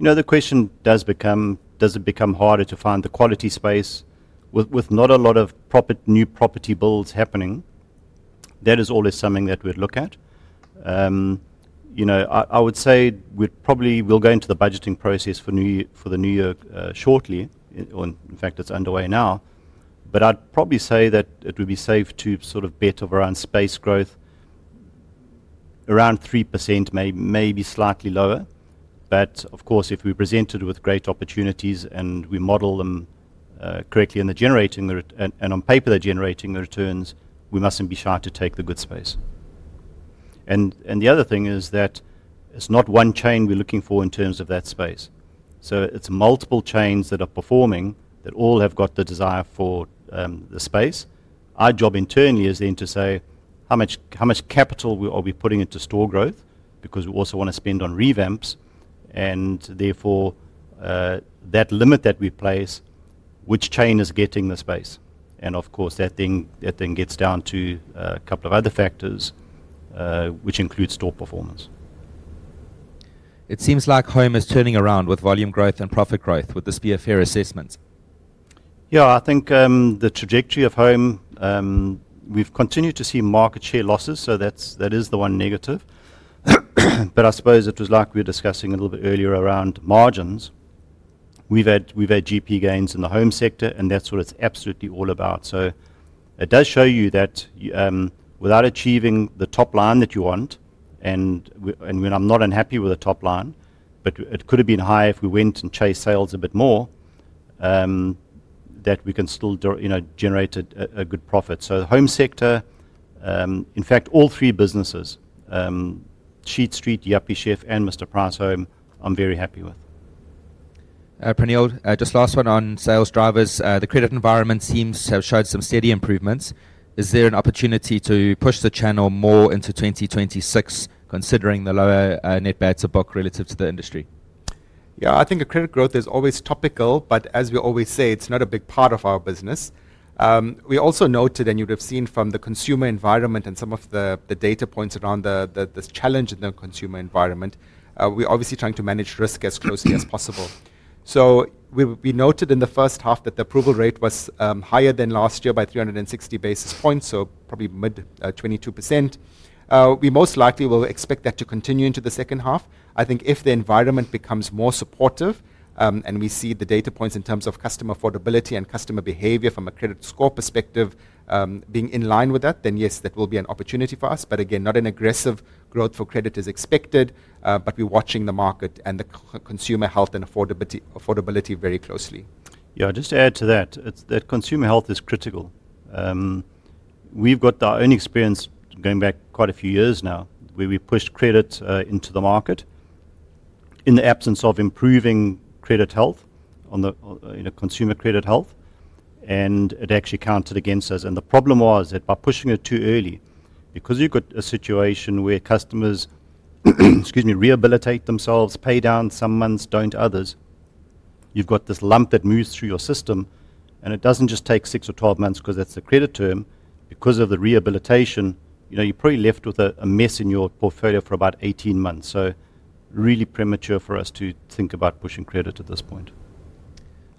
Speaker 1: The question does become, does it become harder to find the quality space with not a lot of new property builds happening? That is always something that we'd look at. I would say we'll probably go into the budgeting process for the new year shortly, or in fact, it's underway now. I'd probably say that it would be safe to sort of bet around space growth, around 3%, maybe slightly lower. Of course, if we're presented with great opportunities and we model them correctly and they're generating, and on paper they're generating the returns, we mustn't be shy to take the good space. The other thing is that it's not one chain we're looking for in terms of that space. It's multiple chains that are performing that all have got the desire for the space. Our job internally is then to say, how much capital are we putting into store growth? Because we also want to spend on revamps. Therefore, that limit that we place, which chain is getting the space? Of course, that then gets down to a couple of other factors, which include store performance.
Speaker 3: It seems like home is turning around with volume growth and profit growth. Would this be a fair assessment?
Speaker 2: Yeah, I think the trajectory of home, we've continued to see market share losses. That is the one negative. I suppose it was like we were discussing a little bit earlier around margins. We've had GP gains in the home sector, and that's what it's absolutely all about. It does show you that without achieving the top line that you want, and I'm not unhappy with the top line, but it could have been higher if we went and chased sales a bit more, we can still generate a good profit. The home sector, in fact, all three businesses, Sheet Street, Yuppiechef, and Mr Price Home, I'm very happy with.
Speaker 3: Praneel, just last one on sales drivers. The credit environment seems to have showed some steady improvements. Is there an opportunity to push the channel more into 2026, considering the lower net bad to book relative to the industry?
Speaker 1: Yeah, I think credit growth is always topical, but as we always say, it's not a big part of our business. We also noted, and you would have seen from the consumer environment and some of the data points around this challenge in the consumer environment, we're obviously trying to manage risk as closely as possible. We noted in the first half that the approval rate was higher than last year by 360 basis points, so probably mid 22%. We most likely will expect that to continue into the second half. I think if the environment becomes more supportive and we see the data points in terms of customer affordability and customer behavior from a credit score perspective being in line with that, then yes, that will be an opportunity for us. Again, not an aggressive growth for credit is expected, but we're watching the market and the consumer health and affordability very closely.
Speaker 2: Yeah, just to add to that, that consumer health is critical. We've got our own experience going back quite a few years now where we pushed credit into the market in the absence of improving credit health, consumer credit health, and it actually counted against us. The problem was that by pushing it too early, because you've got a situation where customers rehabilitate themselves, pay down some months, don't others, you've got this lump that moves through your system, and it doesn't just take 6 or 12 months because that's the credit term. Because of the rehabilitation, you're probably left with a mess in your portfolio for about 18 months. Really premature for us to think about pushing credit at this point.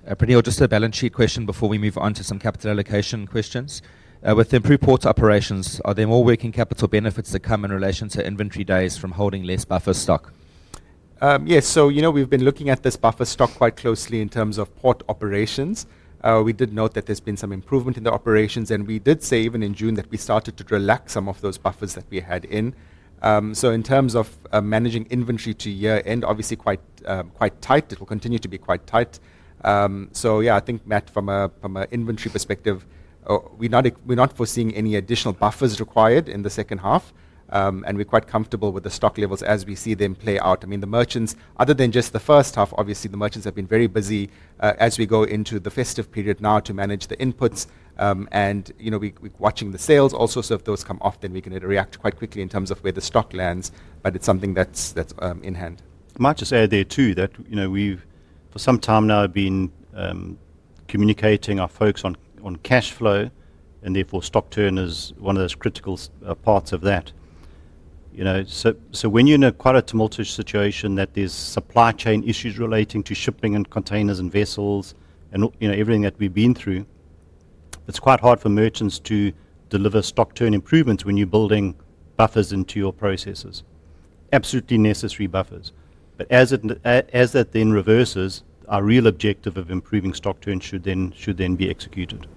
Speaker 3: Praneel, just a balance sheet question before we move on to some capital allocation questions. With improved port operations, are there more working capital benefits that come in relation to inventory days from holding less buffer stock?
Speaker 1: Yes, so we've been looking at this buffer stock quite closely in terms of port operations. We did note that there's been some improvement in the operations, and we did say even in June that we started to relax some of those buffers that we had in. In terms of managing inventory to year-end, obviously quite tight. It will continue to be quite tight. Yeah, I think, Matt, from an inventory perspective, we're not foreseeing any additional buffers required in the second half, and we're quite comfortable with the stock levels as we see them play out. I mean, the merchants, other than just the first half, obviously the merchants have been very busy as we go into the festive period now to manage the inputs. We're watching the sales. Also, if those come off, then we can react quite quickly in terms of where the stock lands, but it's something that's in hand.
Speaker 2: Much to say there too that we've for some time now been communicating our folks on cash flow, and therefore stock turn is one of those critical parts of that. When you're in quite a tumultuous situation that there's supply chain issues relating to shipping and containers and vessels and everything that we've been through, it's quite hard for merchants to deliver stock turn improvements when you're building buffers into your processes. Absolutely necessary buffers. As that then reverses, our real objective of improving stock turn should then be executed.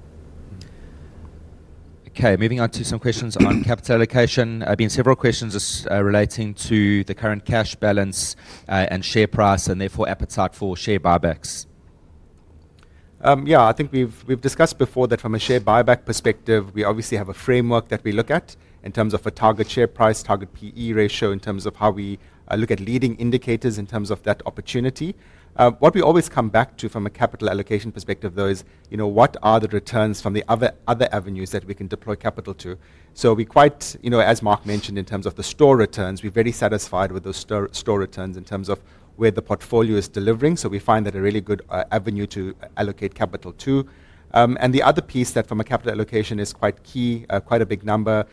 Speaker 3: Okay, moving on to some questions on capital allocation. There have been several questions relating to the current cash balance and share price and therefore appetite for share buybacks.
Speaker 2: Yeah, I think we've discussed before that from a share buyback perspective, we obviously have a framework that we look at in terms of a target share price, target PE ratio in terms of how we look at leading indicators in terms of that opportunity. What we always come back to from a capital allocation perspective, though, is what are the returns from the other avenues that we can deploy capital to? As Mark mentioned, in terms of the store returns, we're very satisfied with those store returns in terms of where the portfolio is delivering. We find that a really good avenue to allocate capital to. The other piece that from a capital allocation is quite key, quite a big number.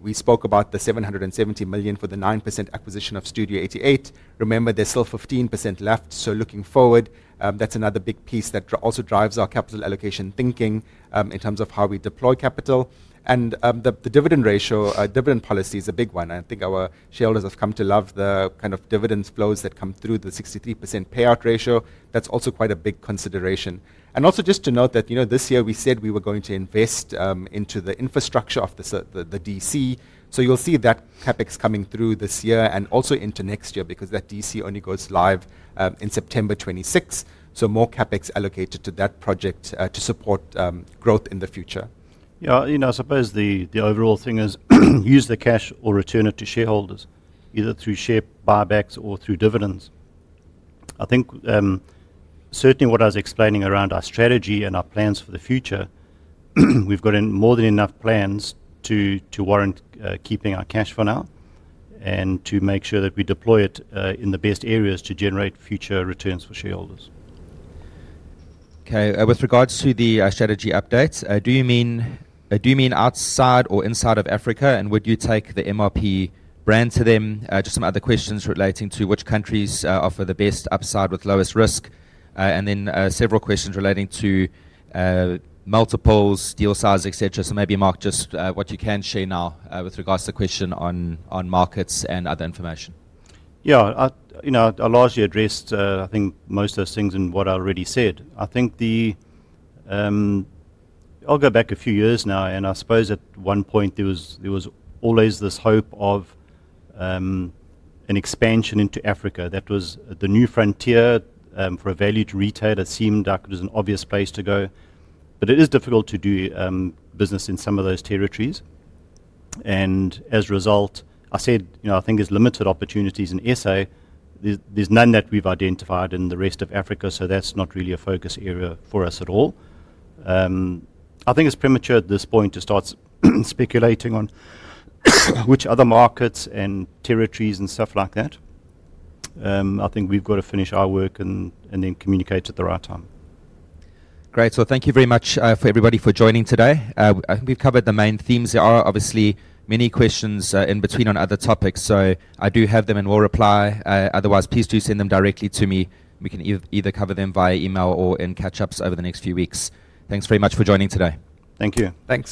Speaker 2: We spoke about the 770 million for the 9% acquisition of Studio 88. Remember, there's still 15% left. Looking forward, that's another big piece that also drives our capital allocation thinking in terms of how we deploy capital. The dividend ratio, dividend policy is a big one. I think our shareholders have come to love the kind of dividend flows that come through the 63% payout ratio. That's also quite a big consideration. Also just to note that this year we said we were going to invest into the infrastructure of the DC. You'll see that CapEx coming through this year and also into next year because that DC only goes live in September 2026. More CapEx allocated to that project to support growth in the future.
Speaker 1: Yeah, I suppose the overall thing is use the cash or return it to shareholders, either through share buybacks or through dividends. I think certainly what I was explaining around our strategy and our plans for the future, we've got more than enough plans to warrant keeping our cash for now and to make sure that we deploy it in the best areas to generate future returns for shareholders.
Speaker 3: Okay, with regards to the strategy updates, do you mean outside or inside of Africa? Would you take the MRP brand to them? Just some other questions relating to which countries offer the best upside with lowest risk. There are several questions relating to multiples, deal size, etc. Maybe Mark, just what you can share now with regards to the question on markets and other information.
Speaker 1: Yeah, I largely addressed, I think, most of those things in what I already said. I'll go back a few years now, and I suppose at one point there was always this hope of an expansion into Africa. That was the new frontier for a value retailer. It seemed like it was an obvious place to go, but it is difficult to do business in some of those territories. As a result, I said, I think there's limited opportunities in SA. There's none that we've identified in the rest of Africa, so that's not really a focus area for us at all. I think it's premature at this point to start speculating on which other markets and territories and stuff like that. I think we've got to finish our work and then communicate at the right time.
Speaker 3: Great, so thank you very much for everybody for joining today. I think we've covered the main themes. There are obviously many questions in between on other topics, so I do have them and will reply. Otherwise, please do send them directly to me. We can either cover them via email or in catch-ups over the next few weeks. Thanks very much for joining today.
Speaker 2: Thank you.
Speaker 3: Thanks.